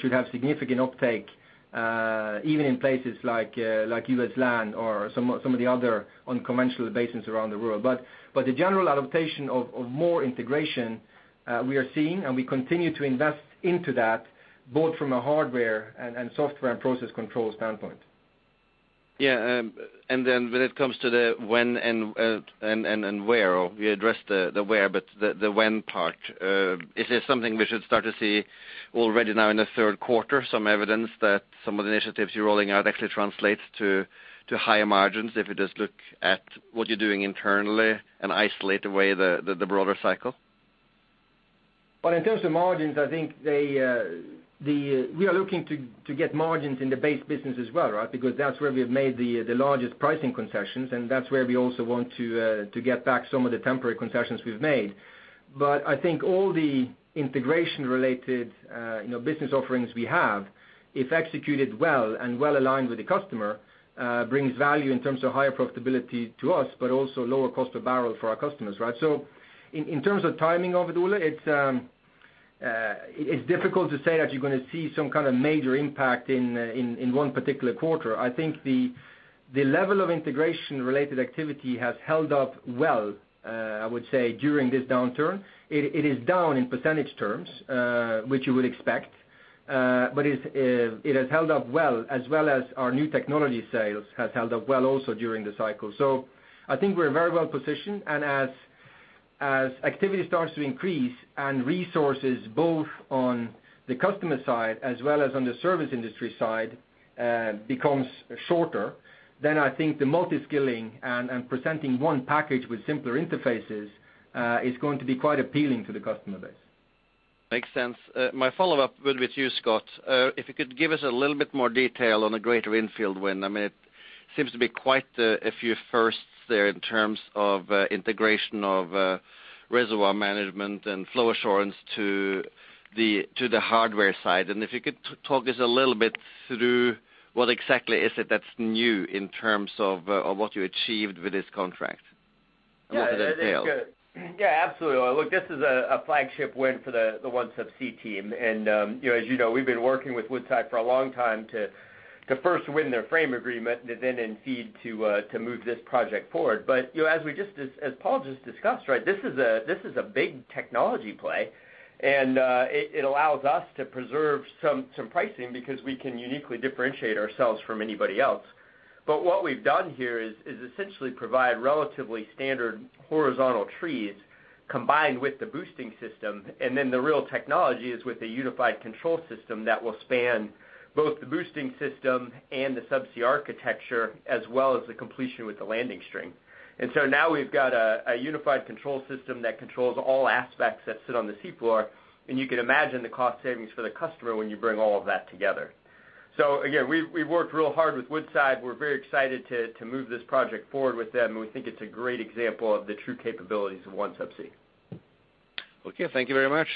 should have significant uptake, even in places like U.S. land or some of the other unconventional basins around the world. The general adaptation of more integration we are seeing, and we continue to invest into that, both from a hardware and software and process control standpoint. Yeah. When it comes to the when and where, or we addressed the where, but the when part, is it something we should start to see already now in the third quarter, some evidence that some of the initiatives you're rolling out actually translates to higher margins if you just look at what you're doing internally and isolate away the broader cycle? Well, in terms of margins, I think we are looking to get margins in the base business as well, right? Because that's where we've made the largest pricing concessions, and that's where we also want to get back some of the temporary concessions we've made. I think all the integration related business offerings we have, if executed well and well-aligned with the customer, brings value in terms of higher profitability to us, but also lower cost of barrel for our customers, right? In terms of timing of it, Ole, it's difficult to say that you're going to see some kind of major impact in one particular quarter. I think the level of integration related activity has held up well, I would say, during this downturn. It is down in % terms, which you would expect. It has held up well, as well as our new technology sales has held up well also during the cycle. I think we're very well-positioned, and as activity starts to increase and resources both on the customer side as well as on the service industry side becomes shorter, then I think the multi-skilling and presenting one package with simpler interfaces is going to be quite appealing to the customer base. Makes sense. My follow-up will be to you, Scott. If you could give us a little bit more detail on the Greater Enfield Development win. It seems to be quite a few firsts there in terms of integration of reservoir management and flow assurance to the hardware side. If you could talk us a little bit through what exactly is it that's new in terms of what you achieved with this contract. A little bit of detail. Absolutely. Look, this is a flagship win for the OneSubsea team. As you know, we've been working with Woodside Energy for a long time to first win their frame agreement, then in FEED to move this project forward. As Paal just discussed, this is a big technology play, and it allows us to preserve some pricing because we can uniquely differentiate ourselves from anybody else. What we've done here is essentially provide relatively standard horizontal trees combined with the boosting system, and then the real technology is with the unified control system that will span both the boosting system and the subsea architecture, as well as the completion with the landing string. Now we've got a unified control system that controls all aspects that sit on the seafloor, and you can imagine the cost savings for the customer when you bring all of that together. Again, we've worked real hard with Woodside Energy. We're very excited to move this project forward with them, and we think it's a great example of the true capabilities of OneSubsea. Okay, thank you very much.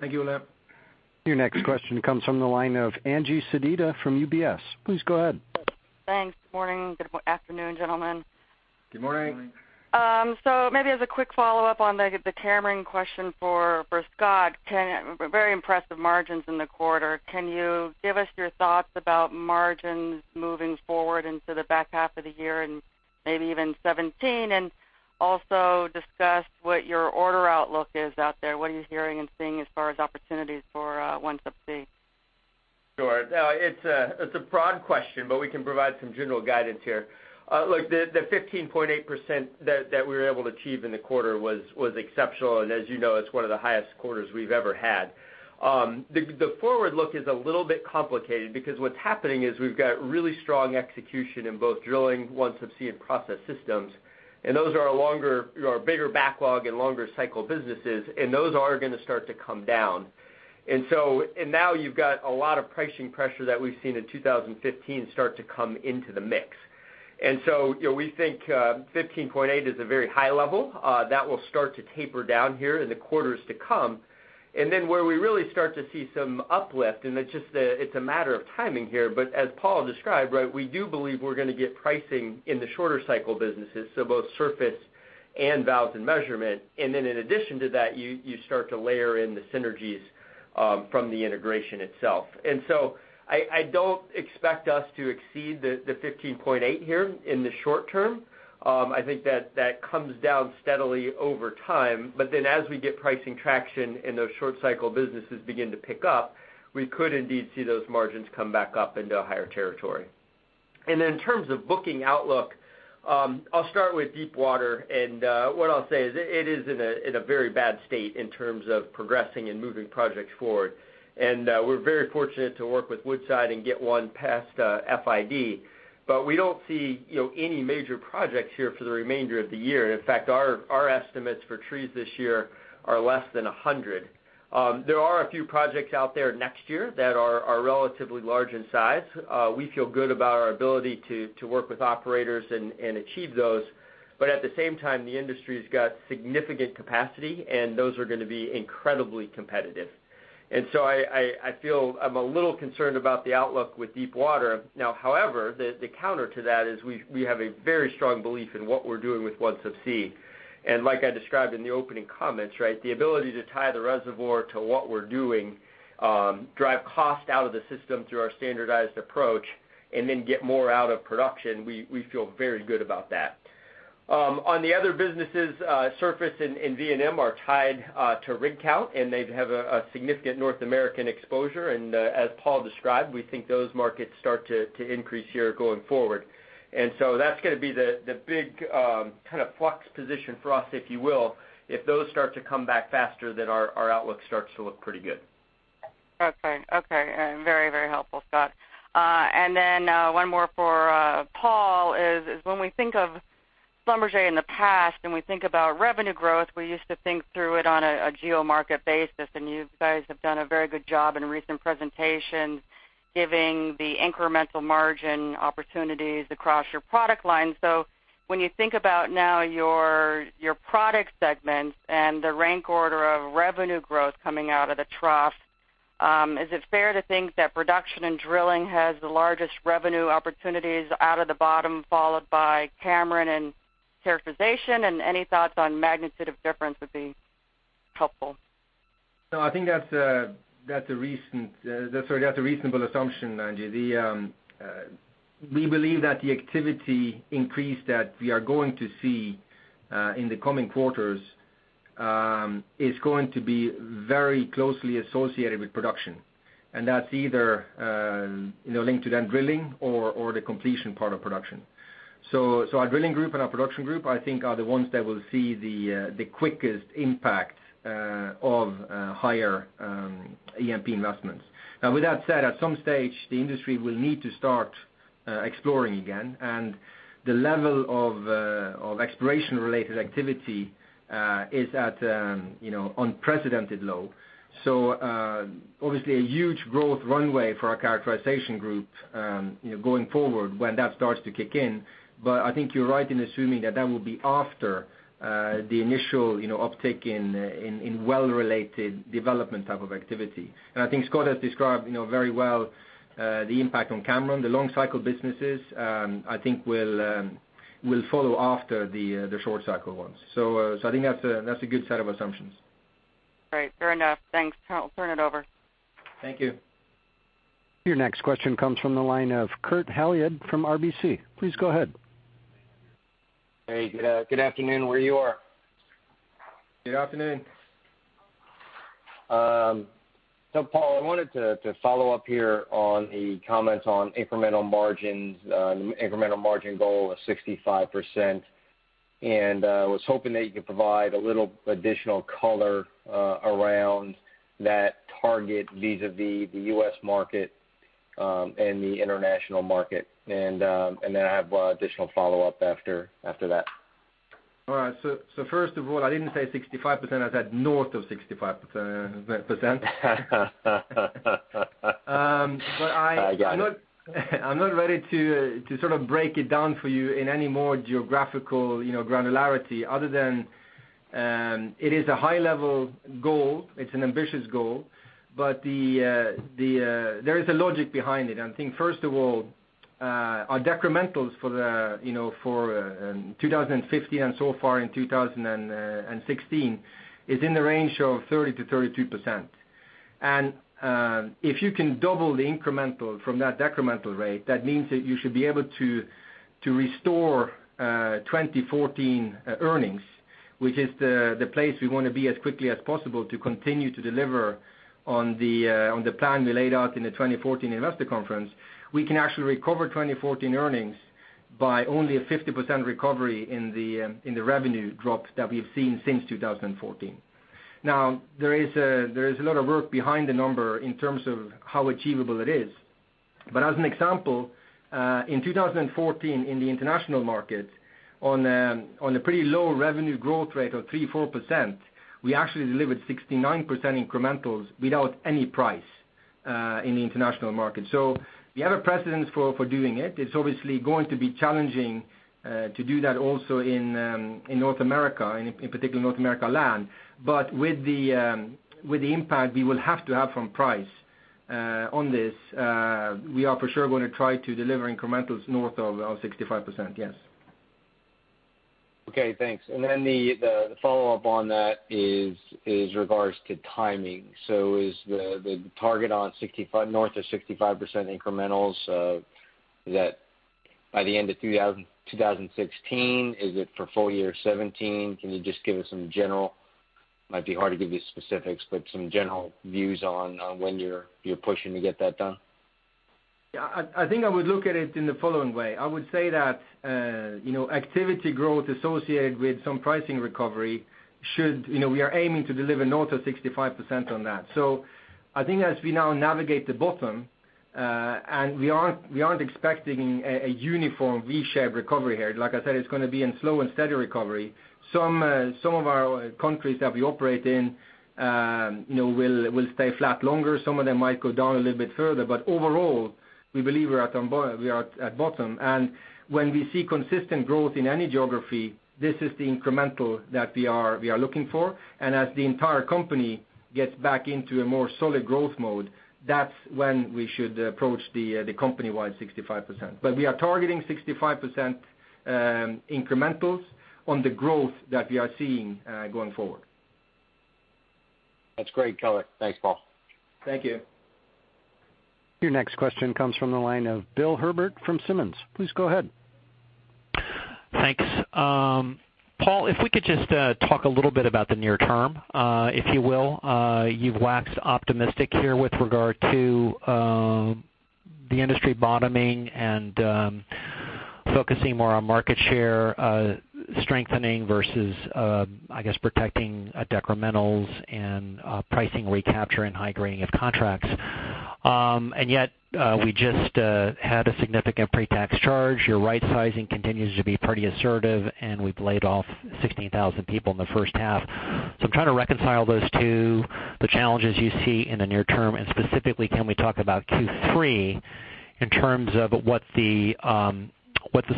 Thank you, Ole. Your next question comes from the line of Angie Sedita from UBS. Please go ahead. Thanks. Good morning. Good afternoon, gentlemen. Good morning. Good morning. As a quick follow-up on the Cameron question for Scott. Very impressive margins in the quarter. Can you give us your thoughts about margins moving forward into the back half of the year and maybe even 2017? Also discuss what your order outlook is out there. What are you hearing and seeing as far as opportunities for OneSubsea? Sure. It's a broad question, but we can provide some general guidance here. Look, the 15.8% that we were able to achieve in the quarter was exceptional, and as you know, it's one of the highest quarters we've ever had. The forward look is a little bit complicated because what's happening is we've got really strong execution in both Drilling Group, OneSubsea and Production Systems, and those are our bigger backlog and longer cycle businesses, and those are going to start to come down. Now you've got a lot of pricing pressure that we've seen in 2015 start to come into the mix. We think 15.8% is a very high level. That will start to taper down here in the quarters to come. Where we really start to see some uplift, and it's a matter of timing here, but as Paal described, we do believe we're going to get pricing in the shorter cycle businesses, so both surface and Valves and Measurement. In addition to that, you start to layer in the synergies from the integration itself. I don't expect us to exceed the 15.8 here in the short term. I think that comes down steadily over time. As we get pricing traction and those short cycle businesses begin to pick up, we could indeed see those margins come back up into a higher territory. In terms of booking outlook, I'll start with deep water. What I'll say is it is in a very bad state in terms of progressing and moving projects forward. We're very fortunate to work with Woodside and get one past FID. We don't see any major projects here for the remainder of the year. In fact, our estimates for trees this year are less than 100. There are a few projects out there next year that are relatively large in size. We feel good about our ability to work with operators and achieve those. At the same time, the industry's got significant capacity, and those are going to be incredibly competitive. I feel I'm a little concerned about the outlook with deep water. Now, however, the counter to that is we have a very strong belief in what we're doing with OneSubsea. Like I described in the opening comments, the ability to tie the reservoir to what we're doing, drive cost out of the system through our standardized approach, and then get more out of production, we feel very good about that. On the other businesses, surface and VNM are tied to rig count, and they have a significant North American exposure. As Paal described, we think those markets start to increase here going forward. That's going to be the big kind of flux position for us, if you will. If those start to come back faster, our outlook starts to look pretty good. Okay. Very helpful, Scott. One more for Paal is when we think of Schlumberger in the past and we think about revenue growth, we used to think through it on a geo market basis, and you guys have done a very good job in recent presentations giving the incremental margin opportunities across your product line. When you think about now your product segments and the rank order of revenue growth coming out of the trough, is it fair to think that Production and Drilling has the largest revenue opportunities out of the bottom, followed by Cameron and characterization? Any thoughts on magnitude of difference would be helpful. No, I think that's a reasonable assumption, Angie. We believe that the activity increase that we are going to see in the coming quarters is going to be very closely associated with production, and that's either linked to then drilling or the completion part of production. Our Drilling Group and our Production Group, I think, are the ones that will see the quickest impact of higher E&P investments. Now, with that said, at some stage, the industry will need to start exploring again, and the level of exploration-related activity is at unprecedented low. Obviously a huge growth runway for our characterization group going forward when that starts to kick in. I think you're right in assuming that that will be after the initial uptick in well-related development type of activity. I think Scott has described very well the impact on Cameron. The long cycle businesses, I think will follow after the short cycle ones. I think that's a good set of assumptions. Great. Fair enough. Thanks. I'll turn it over. Thank you. Your next question comes from the line of Kurt Hallead from RBC. Please go ahead. Hey, good afternoon where you are. Good afternoon. Paal, I wanted to follow up here on the comments on incremental margin goal of 65%, and I was hoping that you could provide a little additional color around that target vis-a-vis the U.S. market and the international market. Then I have additional follow-up after that. All right. First of all, I didn't say 65%, I said north of 65%. I got it. I'm not ready to sort of break it down for you in any more geographical granularity other than it is a high-level goal. It's an ambitious goal, there is a logic behind it. I think, first of all, our decrementals for 2015 and so far in 2016 is in the range of 30%-32%. If you can double the incremental from that decremental rate, that means that you should be able to restore 2014 earnings, which is the place we want to be as quickly as possible to continue to deliver on the plan we laid out in the 2014 investor conference. We can actually recover 2014 earnings by only a 50% recovery in the revenue drop that we've seen since 2014. There is a lot of work behind the number in terms of how achievable it is. As an example, in 2014 in the international market on a pretty low revenue growth rate of 3%-4%, we actually delivered 69% incrementals without any price in the international market. We have a precedence for doing it. It's obviously going to be challenging to do that also in North America, in particular North America land. With the impact we will have to have from price on this, we are for sure going to try to deliver incrementals north of 65%, yes. Okay, thanks. The follow-up on that is regards to timing. Is the target on north of 65% incrementals, is that by the end of 2016? Is it for full year 2017? Can you just give us some general, might be hard to give you specifics, but some general views on when you're pushing to get that done? Yeah, I think I would look at it in the following way. I would say that activity growth associated with some pricing recovery. We are aiming to deliver north of 65% on that. I think as we now navigate the bottom, and we aren't expecting a uniform V-shaped recovery here. Like I said, it's going to be in slow and steady recovery. Some of our countries that we operate in will stay flat longer. Some of them might go down a little bit further. Overall, we believe we are at bottom. When we see consistent growth in any geography, this is the incremental that we are looking for. As the entire company gets back into a more solid growth mode, that's when we should approach the company-wide 65%. We are targeting 65% incrementals on the growth that we are seeing going forward. That's great color. Thanks, Paal. Thank you. Your next question comes from the line of Bill Herbert from Simmons. Please go ahead. Thanks. Paal, if we could just talk a little bit about the near term, if you will. You've waxed optimistic here with regard to the industry bottoming and focusing more on market share strengthening versus, I guess, protecting decrementals and pricing recapture and high grading of contracts. Yet, we just had a significant pre-tax charge. Your right sizing continues to be pretty assertive, and we've laid off 16,000 people in the first half. I'm trying to reconcile those two, the challenges you see in the near term, and specifically, can we talk about Q3 in terms of what the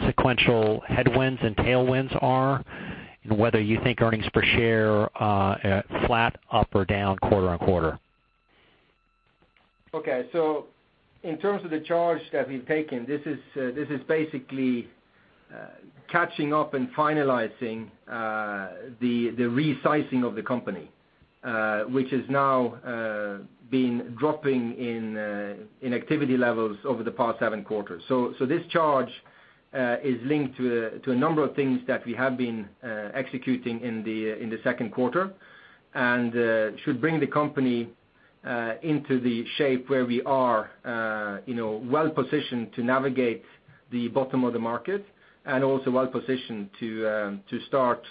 sequential headwinds and tailwinds are and whether you think earnings per share flat, up or down quarter-on-quarter? Okay. In terms of the charge that we've taken, this is basically catching up and finalizing the resizing of the company, which has now been dropping in activity levels over the past seven quarters. This charge is linked to a number of things that we have been executing in the second quarter and should bring the company into the shape where we are well-positioned to navigate the bottom of the market and also well-positioned to start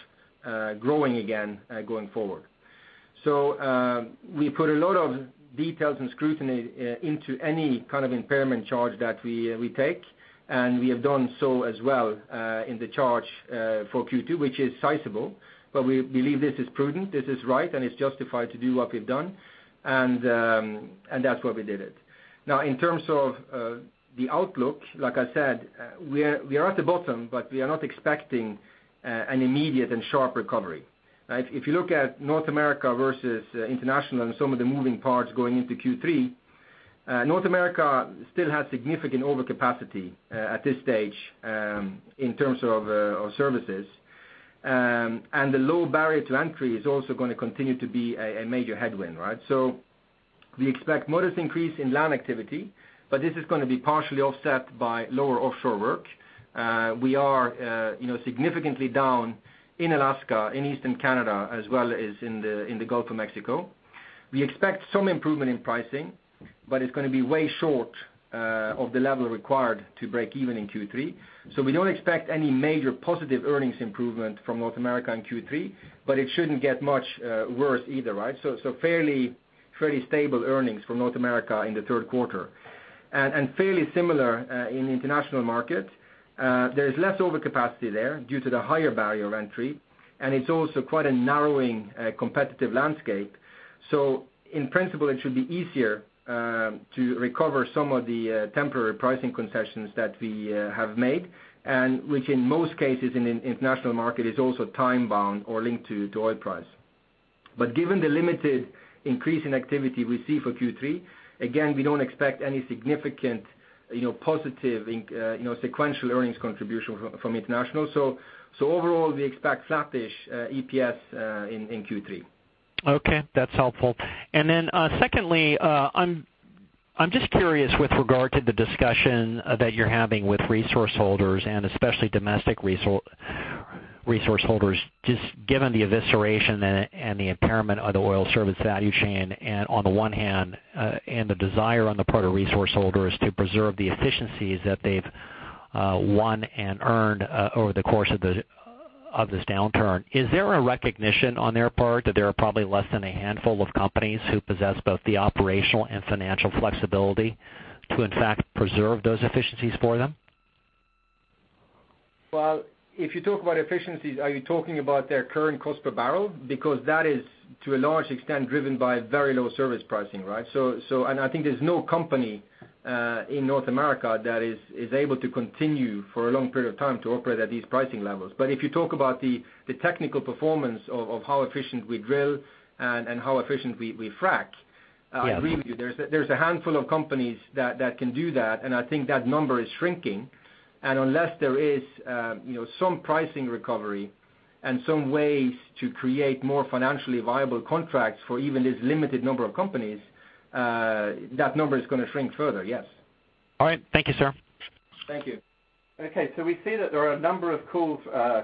growing again going forward. We put a lot of details and scrutiny into any kind of impairment charge that we take, and we have done so as well in the charge for Q2, which is sizable, but we believe this is prudent, this is right, and it's justified to do what we've done. That's why we did it. Now, in terms of the outlook, like I said, we are at the bottom, but we are not expecting an immediate and sharp recovery, right? If you look at North America versus international and some of the moving parts going into Q3, North America still has significant overcapacity at this stage in terms of services. The low barrier to entry is also going to continue to be a major headwind, right? We expect modest increase in land activity, but this is going to be partially offset by lower offshore work. We are significantly down in Alaska, in Eastern Canada, as well as in the Gulf of Mexico. We expect some improvement in pricing, but it's going to be way short of the level required to break even in Q3. We don't expect any major positive earnings improvement from North America in Q3, but it shouldn't get much worse either, right? Fairly stable earnings from North America in the third quarter. Fairly similar in the international market. There is less overcapacity there due to the higher barrier of entry, and it's also quite a narrowing competitive landscape. In principle, it should be easier to recover some of the temporary pricing concessions that we have made, and which in most cases in international market is also time-bound or linked to oil price. Given the limited increase in activity we see for Q3, again, we don't expect any significant positive sequential earnings contribution from international. Overall, we expect flat-ish EPS in Q3. Okay. That's helpful. Secondly, I'm just curious with regard to the discussion that you're having with resource holders and especially domestic resource holders, just given the evisceration and the impairment of the oil service value chain on the one hand, and the desire on the part of resource holders to preserve the efficiencies that they've won and earned over the course of this downturn, is there a recognition on their part that there are probably less than a handful of companies who possess both the operational and financial flexibility to in fact preserve those efficiencies for them? If you talk about efficiencies, are you talking about their current cost per barrel? Because that is, to a large extent, driven by very low service pricing, right? I think there's no company in North America that is able to continue for a long period of time to operate at these pricing levels. If you talk about the technical performance of how efficient we drill and how efficient we frack. Yeah I agree with you. There's a handful of companies that can do that, I think that number is shrinking. Unless there is some pricing recovery and some ways to create more financially viable contracts for even this limited number of companies, that number is going to shrink further, yes. All right. Thank you, sir. Thank you. Okay, we see that there are a number of calls,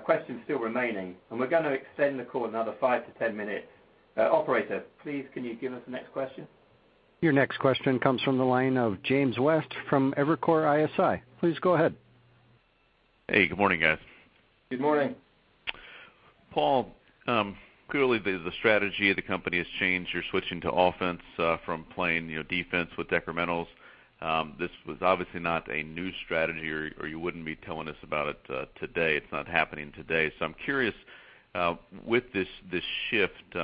questions still remaining, and we're going to extend the call another 5 to 10 minutes. Operator, please can you give us the next question? Your next question comes from the line of James West from Evercore ISI. Please go ahead. Hey, good morning, guys. Good morning. Paal, clearly the strategy of the company has changed. You're switching to offense from playing defense with decrementals. This was obviously not a new strategy, or you wouldn't be telling us about it today. It's not happening today. I'm curious, with this shift,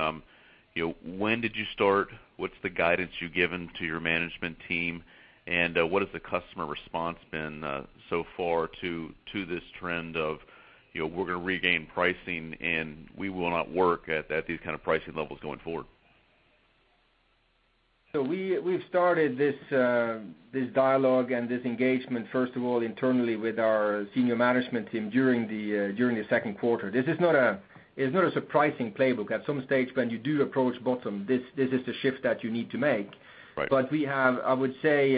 when did you start? What's the guidance you've given to your management team? What has the customer response been so far to this trend of we're going to regain pricing and we will not work at these kind of pricing levels going forward? We've started this dialogue and this engagement, first of all, internally with our senior management team during the second quarter. This is not a surprising playbook. At some stage, when you do approach bottom, this is the shift that you need to make. Right. We have, I would say,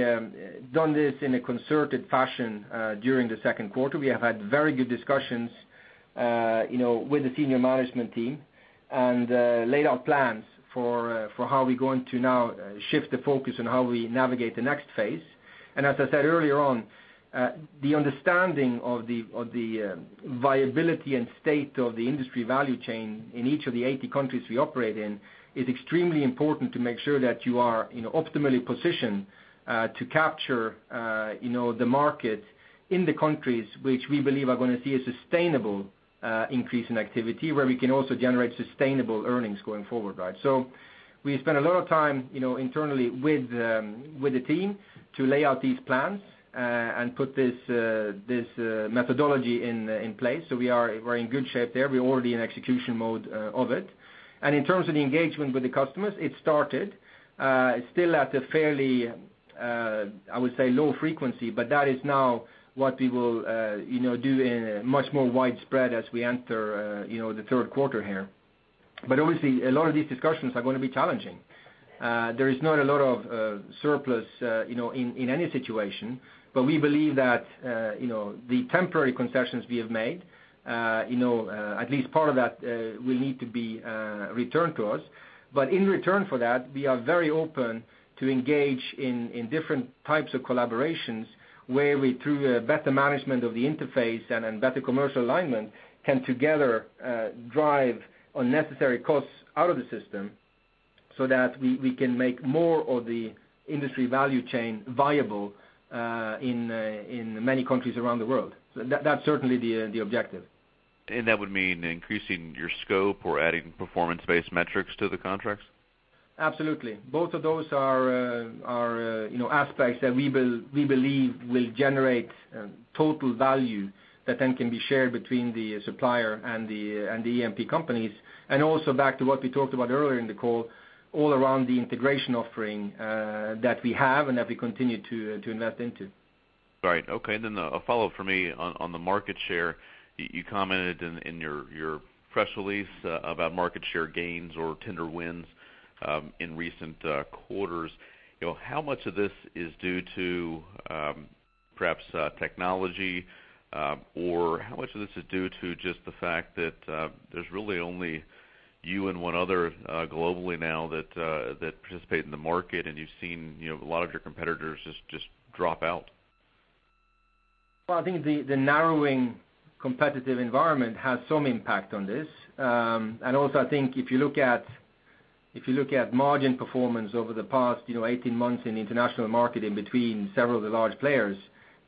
done this in a concerted fashion during the second quarter. We have had very good discussions with the senior management team and laid out plans for how we're going to now shift the focus on how we navigate the next phase. As I said earlier on, the understanding of the viability and state of the industry value chain in each of the 80 countries we operate in is extremely important to make sure that you are optimally positioned to capture the market in the countries which we believe are going to see a sustainable increase in activity, where we can also generate sustainable earnings going forward, right? We spent a lot of time internally with the team to lay out these plans and put this methodology in place. We're in good shape there. We're already in execution mode of it. In terms of the engagement with the customers, it started. It's still at a fairly, I would say, low frequency, but that is now what we will do in a much more widespread as we enter the third quarter here. Obviously, a lot of these discussions are going to be challenging. There is not a lot of surplus in any situation, but we believe that the temporary concessions we have made, at least part of that will need to be returned to us. In return for that, we are very open to engage in different types of collaborations where we, through better management of the interface and better commercial alignment, can together drive unnecessary costs out of the system so that we can make more of the industry value chain viable in many countries around the world. That's certainly the objective. That would mean increasing your scope or adding performance-based metrics to the contracts? Absolutely. Both of those are aspects that we believe will generate total value that then can be shared between the supplier and the E&P companies. Also back to what we talked about earlier in the call, all around the integration offering that we have and that we continue to invest into. Right. Okay, a follow-up from me on the market share. You commented in your press release about market share gains or tender wins in recent quarters. How much of this is due to perhaps technology, or how much of this is due to just the fact that there's really only you and one other globally now that participate in the market, and you've seen a lot of your competitors just drop out? Well, I think the narrowing competitive environment has some impact on this. Also, I think if you look at margin performance over the past 18 months in the international market in between several of the large players,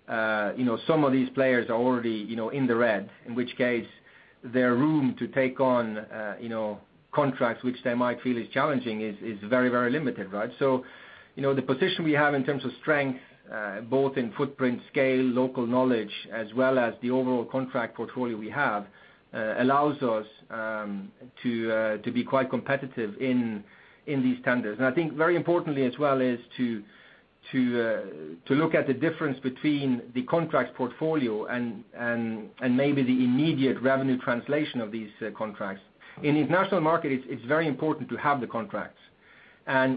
some of these players are already in the red, in which case their room to take on contracts, which they might feel is challenging, is very limited, right? The position we have in terms of strength, both in footprint, scale, local knowledge, as well as the overall contract portfolio we have, allows us to be quite competitive in these tenders. I think very importantly as well is to look at the difference between the contracts portfolio and maybe the immediate revenue translation of these contracts. In the international market, it's very important to have the contracts.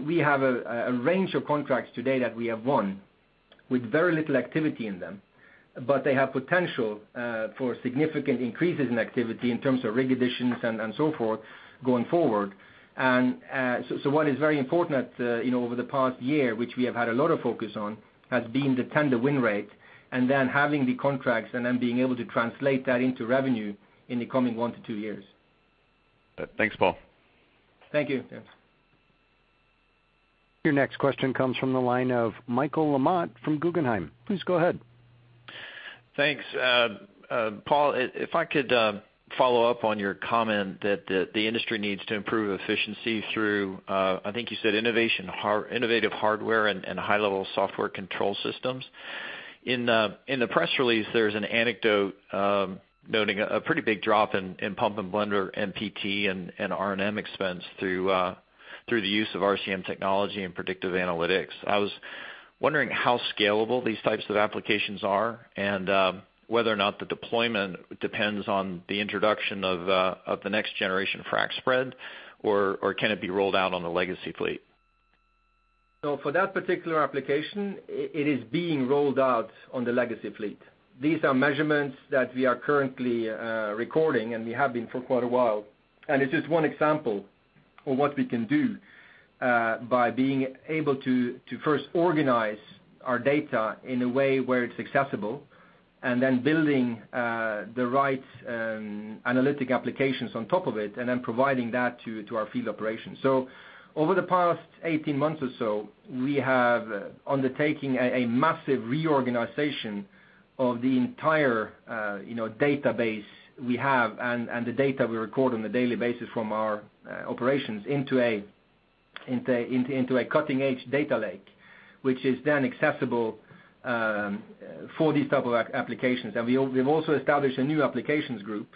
We have a range of contracts today that we have won with very little activity in them, but they have potential for significant increases in activity in terms of rig additions and so forth going forward. What is very important over the past year, which we have had a lot of focus on, has been the tender win rate, and then having the contracts and then being able to translate that into revenue in the coming one to two years. Thanks, Paal. Thank you. Yes. Your next question comes from the line of Michael LaMotte from Guggenheim. Please go ahead. Thanks. Paal, if I could follow up on your comment that the industry needs to improve efficiency through, I think you said innovative hardware and high-level software control systems. In the press release, there's an anecdote noting a pretty big drop in pump and blender MPT and R&M expense through the use of RCM technology and predictive analytics. I was wondering how scalable these types of applications are and whether or not the deployment depends on the introduction of the next generation frac spread, or can it be rolled out on the legacy fleet? For that particular application, it is being rolled out on the legacy fleet. These are measurements that we are currently recording, and we have been for quite a while. It's just one example of what we can do by being able to first organize our data in a way where it's accessible, and then building the right analytic applications on top of it, and then providing that to our field operations. Over the past 18 months or so, we have undertaken a massive reorganization of the entire database we have and the data we record on a daily basis from our operations into a cutting-edge data lake, which is then accessible for these type of applications. We've also established a new applications group,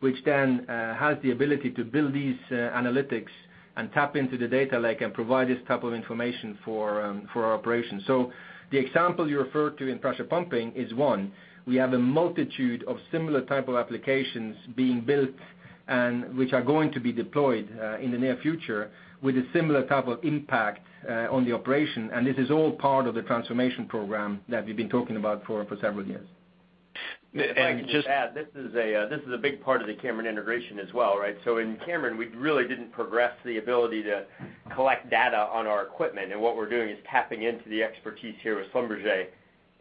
which then has the ability to build these analytics and tap into the data lake and provide this type of information for our operations. The example you referred to in pressure pumping is one. We have a multitude of similar type of applications being built, and which are going to be deployed in the near future with a similar type of impact on the operation, and this is all part of the transformation program that we've been talking about for several years. And just- If I can just add, this is a big part of the Cameron integration as well, right? In Cameron, we really didn't progress the ability to collect data on our equipment, and what we're doing is tapping into the expertise here with Schlumberger.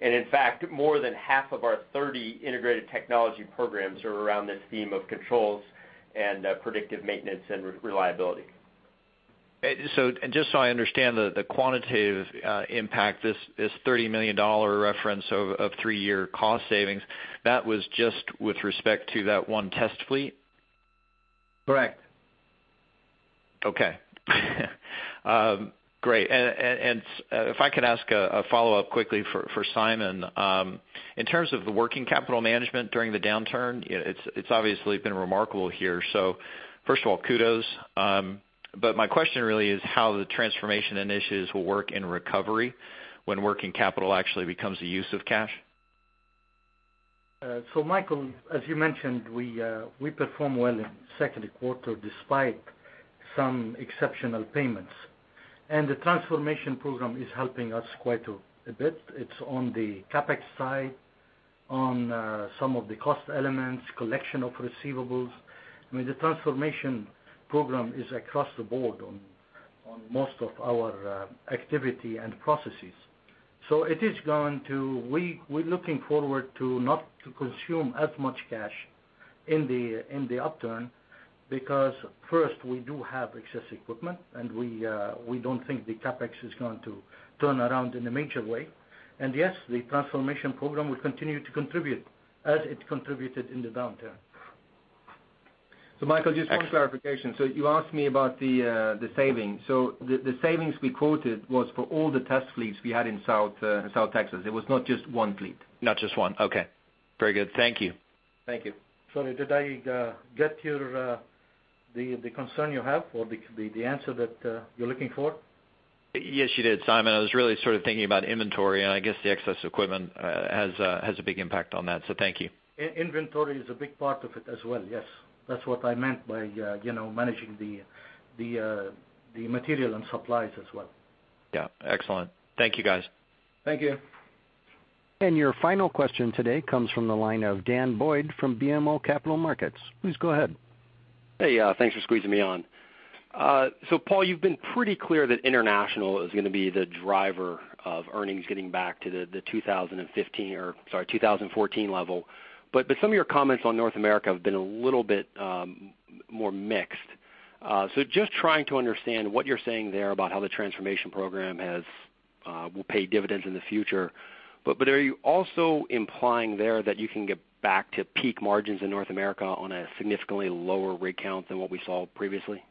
In fact, more than half of our 30 integrated technology programs are around this theme of controls and predictive maintenance and reliability. Just so I understand the quantitative impact, this $30 million reference of three-year cost savings, that was just with respect to that one test fleet? Correct. Okay. Great. If I could ask a follow-up quickly for Simon. In terms of the working capital management during the downturn, it's obviously been remarkable here. First of all, kudos. My question really is how the transformation initiatives will work in recovery when working capital actually becomes a use of cash. Michael, as you mentioned, we perform well in second quarter despite some exceptional payments. The transformation program is helping us quite a bit. It's on the CapEx side, on some of the cost elements, collection of receivables. I mean, the transformation program is across the board on most of our activity and processes. We're looking forward to not consume as much cash in the upturn because first, we do have excess equipment, and we don't think the CapEx is going to turn around in a major way. Yes, the transformation program will continue to contribute as it contributed in the downturn. Michael, just one clarification. You asked me about the savings. The savings we quoted was for all the test fleets we had in South Texas. It was not just one fleet. Not just one. Okay. Very good. Thank you. Thank you. Sorry, did I get the concern you have or the answer that you're looking for? Yes, you did, Simon. I was really sort of thinking about inventory, and I guess the excess equipment has a big impact on that, so thank you. Inventory is a big part of it as well, yes. That's what I meant by managing the material and supplies as well. Yeah. Excellent. Thank you, guys. Thank you. Your final question today comes from the line of Daniel Boyd from BMO Capital Markets. Please go ahead. Hey, thanks for squeezing me on. Paal, you've been pretty clear that international is going to be the driver of earnings getting back to the 2015, or sorry, 2014 level. Some of your comments on North America have been a little bit more mixed. Just trying to understand what you're saying there about how the transformation program will pay dividends in the future. Are you also implying there that you can get back to peak margins in North America on a significantly lower rig count than what we saw previously?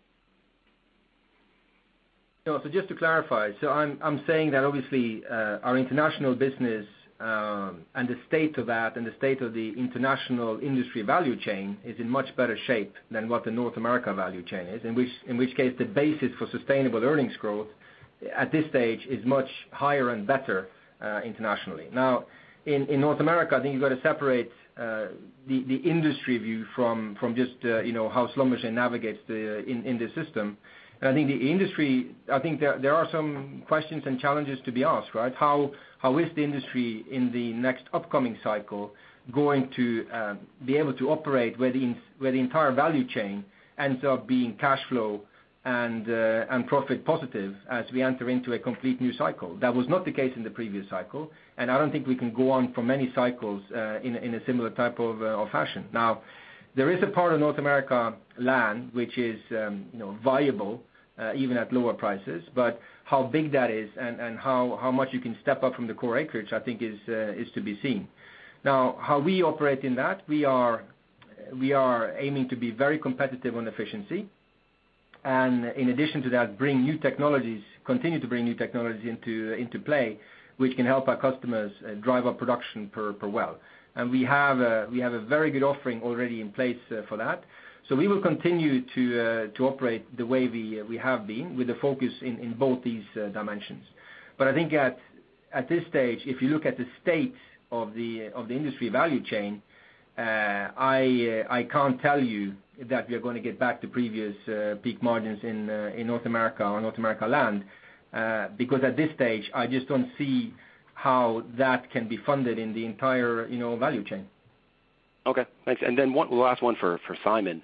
No, just to clarify, I'm saying that obviously our international business, and the state of that and the state of the international industry value chain is in much better shape than what the North America value chain is, in which case the basis for sustainable earnings growth at this stage is much higher and better internationally. Now, in North America, I think you've got to separate the industry view from just how Schlumberger navigates in the system. I think the industry, I think there are some questions and challenges to be asked, right? How is the industry in the next upcoming cycle going to be able to operate where the entire value chain ends up being cash flow and profit positive as we enter into a complete new cycle? That was not the case in the previous cycle. I don't think we can go on for many cycles in a similar type of fashion. Now, there is a part of North America land which is viable even at lower prices. How big that is and how much you can step up from the core acreage, I think is to be seen. How we operate in that, we are aiming to be very competitive on efficiency. In addition to that, continue to bring new technologies into play which can help our customers drive up production per well. We have a very good offering already in place for that. We will continue to operate the way we have been with a focus in both these dimensions. I think at this stage, if you look at the state of the industry value chain, I can't tell you that we are gonna get back to previous peak margins in North America or North America land. Because at this stage, I just don't see how that can be funded in the entire value chain. Okay. Thanks. One last one for Simon.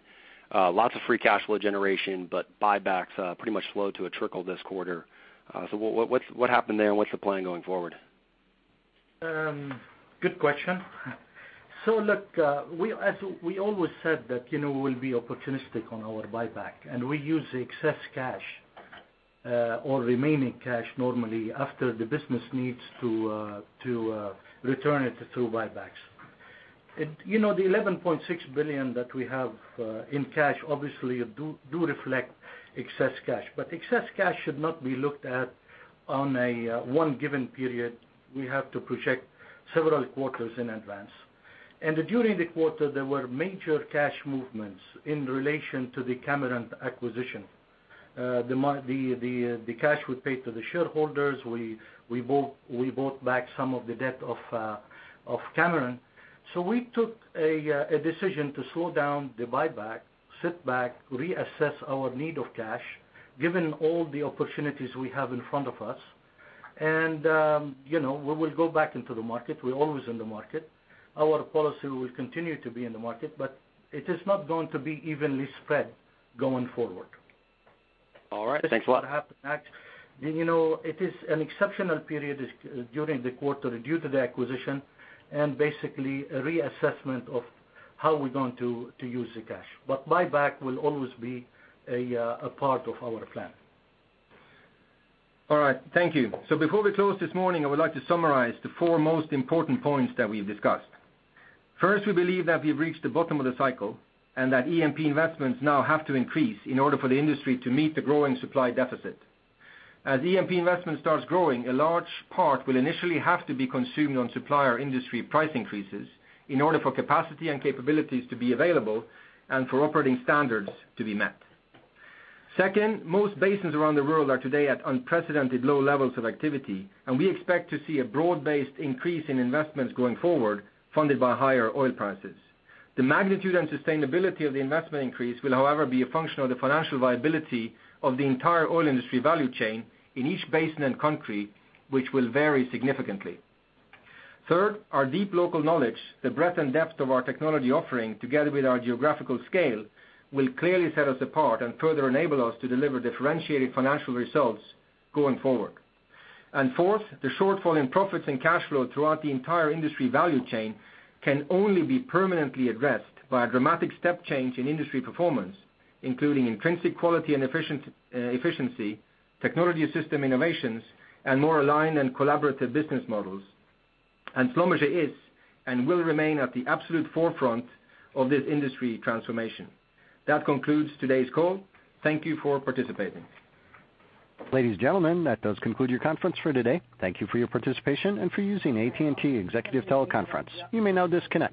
Lots of free cash flow generation, buybacks pretty much slowed to a trickle this quarter. What happened there, and what's the plan going forward? Good question. Look, as we always said that we will be opportunistic on our buyback. We use the excess cash or remaining cash normally after the business needs to return it through buybacks. The $11.6 billion that we have in cash obviously do reflect excess cash. Excess cash should not be looked at on a one given period. We have to project several quarters in advance. During the quarter, there were major cash movements in relation to the Cameron acquisition. The cash we paid to the shareholders, we bought back some of the debt of Cameron. We took a decision to slow down the buyback, sit back, reassess our need of cash, given all the opportunities we have in front of us. We will go back into the market. We're always in the market. Our policy will continue to be in the market, but it is not going to be evenly spread going forward. All right. Thanks a lot. Happy to help, Max. It is an exceptional period during the quarter due to the acquisition and basically a reassessment of how we're going to use the cash. Buyback will always be a part of our plan. All right, thank you. Before we close this morning, I would like to summarize the four most important points that we've discussed. First, we believe that we've reached the bottom of the cycle, and that E&P investments now have to increase in order for the industry to meet the growing supply deficit. As E&P investment starts growing, a large part will initially have to be consumed on supplier industry price increases in order for capacity and capabilities to be available and for operating standards to be met. Second, most basins around the world are today at unprecedented low levels of activity, and we expect to see a broad-based increase in investments going forward, funded by higher oil prices. The magnitude and sustainability of the investment increase will, however, be a function of the financial viability of the entire oil industry value chain in each basin and country, which will vary significantly. Third, our deep local knowledge, the breadth and depth of our technology offering, together with our geographical scale, will clearly set us apart and further enable us to deliver differentiated financial results going forward. Fourth, the shortfall in profits and cash flow throughout the entire industry value chain can only be permanently addressed by a dramatic step change in industry performance, including intrinsic quality and efficiency, technology system innovations, and more aligned and collaborative business models. Schlumberger is and will remain at the absolute forefront of this industry transformation. That concludes today's call. Thank you for participating. Ladies and gentlemen, that does conclude your conference for today. Thank you for your participation and for using AT&T Executive Teleconference. You may now disconnect.